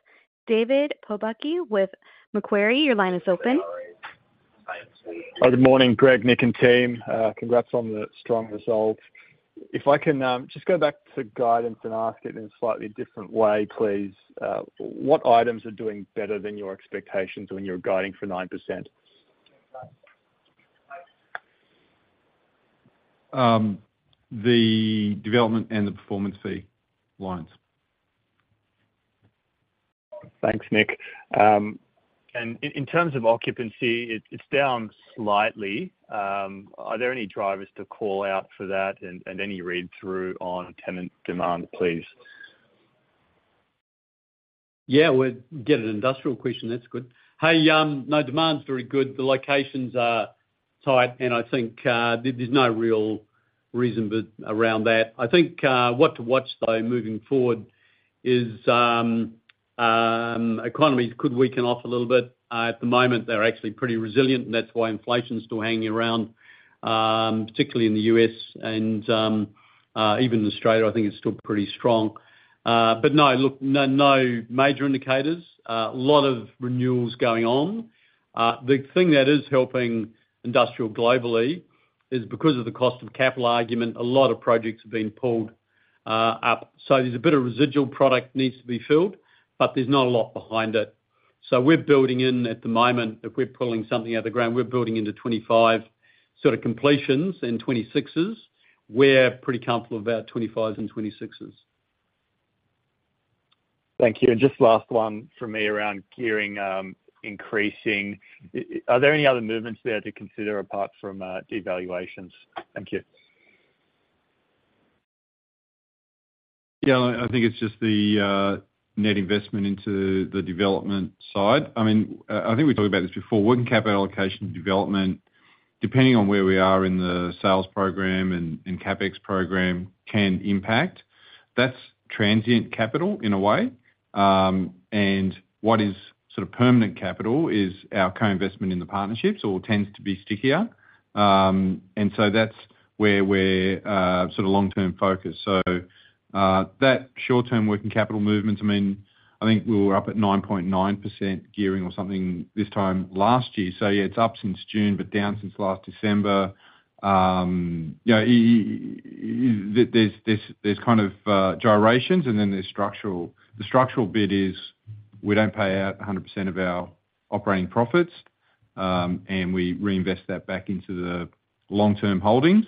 David Pobucky with Macquarie. Your line is open. Good morning, Greg, Nick, and team. Congrats on the strong results. If I can just go back to guidance and ask it in a slightly different way, please. What items are doing better than your expectations when you're guiding for 9%? The development and the performance fee lines. Thanks, Nick. In terms of occupancy, it's down slightly. Are there any drivers to call out for that and any read-through on tenant demand, please? Yeah. We'll get an industrial question. That's good. No, demand's very good. The locations are tight. And I think there's no real reason around that. I think what to watch, though, moving forward is economies could weaken off a little bit. At the moment, they're actually pretty resilient. And that's why inflation's still hanging around, particularly in the U.S. and even in Australia. I think it's still pretty strong. But no, look, no major indicators. A lot of renewals going on. The thing that is helping industrial globally is because of the cost of capital argument, a lot of projects have been pulled up. So there's a bit of residual product needs to be filled. But there's not a lot behind it. So we're building in at the moment, if we're pulling something out of the ground, we're building into 2025 sort of completions and 2026s. We're pretty comfortable with about 2025s and 2026s. Thank you. Just last one from me around gearing increasing. Are there any other movements there to consider apart from devaluations? Thank you. Yeah. I think it's just the net investment into the Development side. I mean, I think we talked about this before. Working capital allocation development, depending on where we are in the sales program and CapEx program, can impact. That's transient capital in a way. And what is sort of permanent capital is our co-investment in the partnerships or tends to be stickier. And so that's where we're sort of long-term focused. So that short-term working capital movements, I mean, I think we were up at 9.9% gearing or something this time last year. So yeah, it's up since June but down since last December. There's kind of gyrations. And then the structural bit is we don't pay out 100% of our operating profits. And we reinvest that back into the long-term holdings.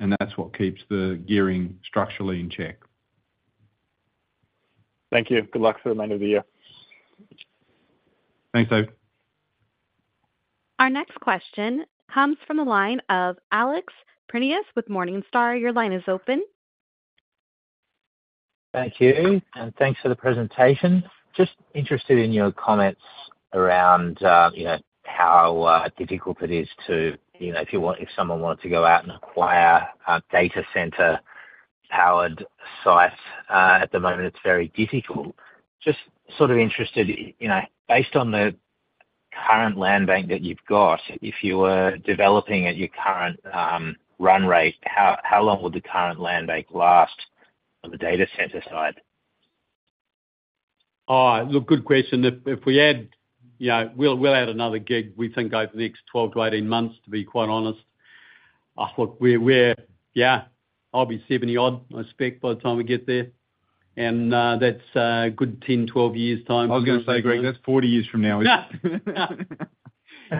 And that's what keeps the gearing structurally in check. Thank you. Good luck for the remainder of the year. Thanks, Dave. Our next question comes from the line of Alex Prineas with Morningstar. Your line is open. Thank you. And thanks for the presentation. Just interested in your comments around how difficult it is to if someone wanted to go out and acquire a data center-powered site. At the moment, it's very difficult. Just sort of interested, based on the current land bank that you've got, if you were developing at your current run rate, how long would the current land bank last on the data center side? Oh, look, good question. If we add we'll add another gig, we think, over the next 12-18 months, to be quite honest. Look, yeah, I'll be 70-odd, I expect, by the time we get there. And that's a good 10-12 years' time. I was going to say, Greg, that's 40 years from now.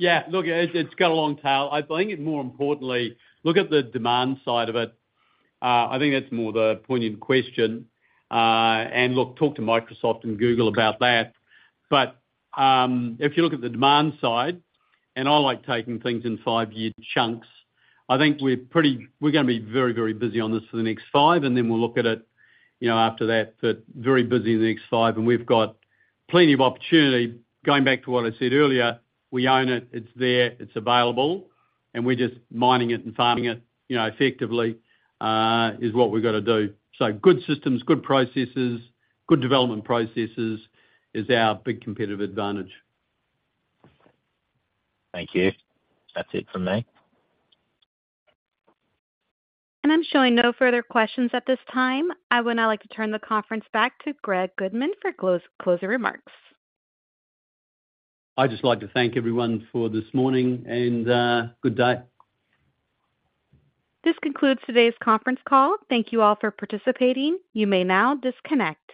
Yeah. Look, it's got a long tail. I think it's more importantly look at the demand side of it. I think that's more the poignant question. And look, talk to Microsoft and Google about that. But if you look at the demand side - and I like taking things in five-year chunks - I think we're going to be very, very busy on this for the next five. And then we'll look at it after that, but very busy in the next five. And we've got plenty of opportunity. Going back to what I said earlier, we own it. It's there. It's available. And we're just mining it and farming it effectively is what we've got to do. So good systems, good processes, good development processes is our big competitive advantage. Thank you. That's it from me. I'm showing no further questions at this time. I would now like to turn the conference back to Greg Goodman for closing remarks. I'd just like to thank everyone for this morning. Good day. This concludes today's conference call. Thank you all for participating. You may now disconnect.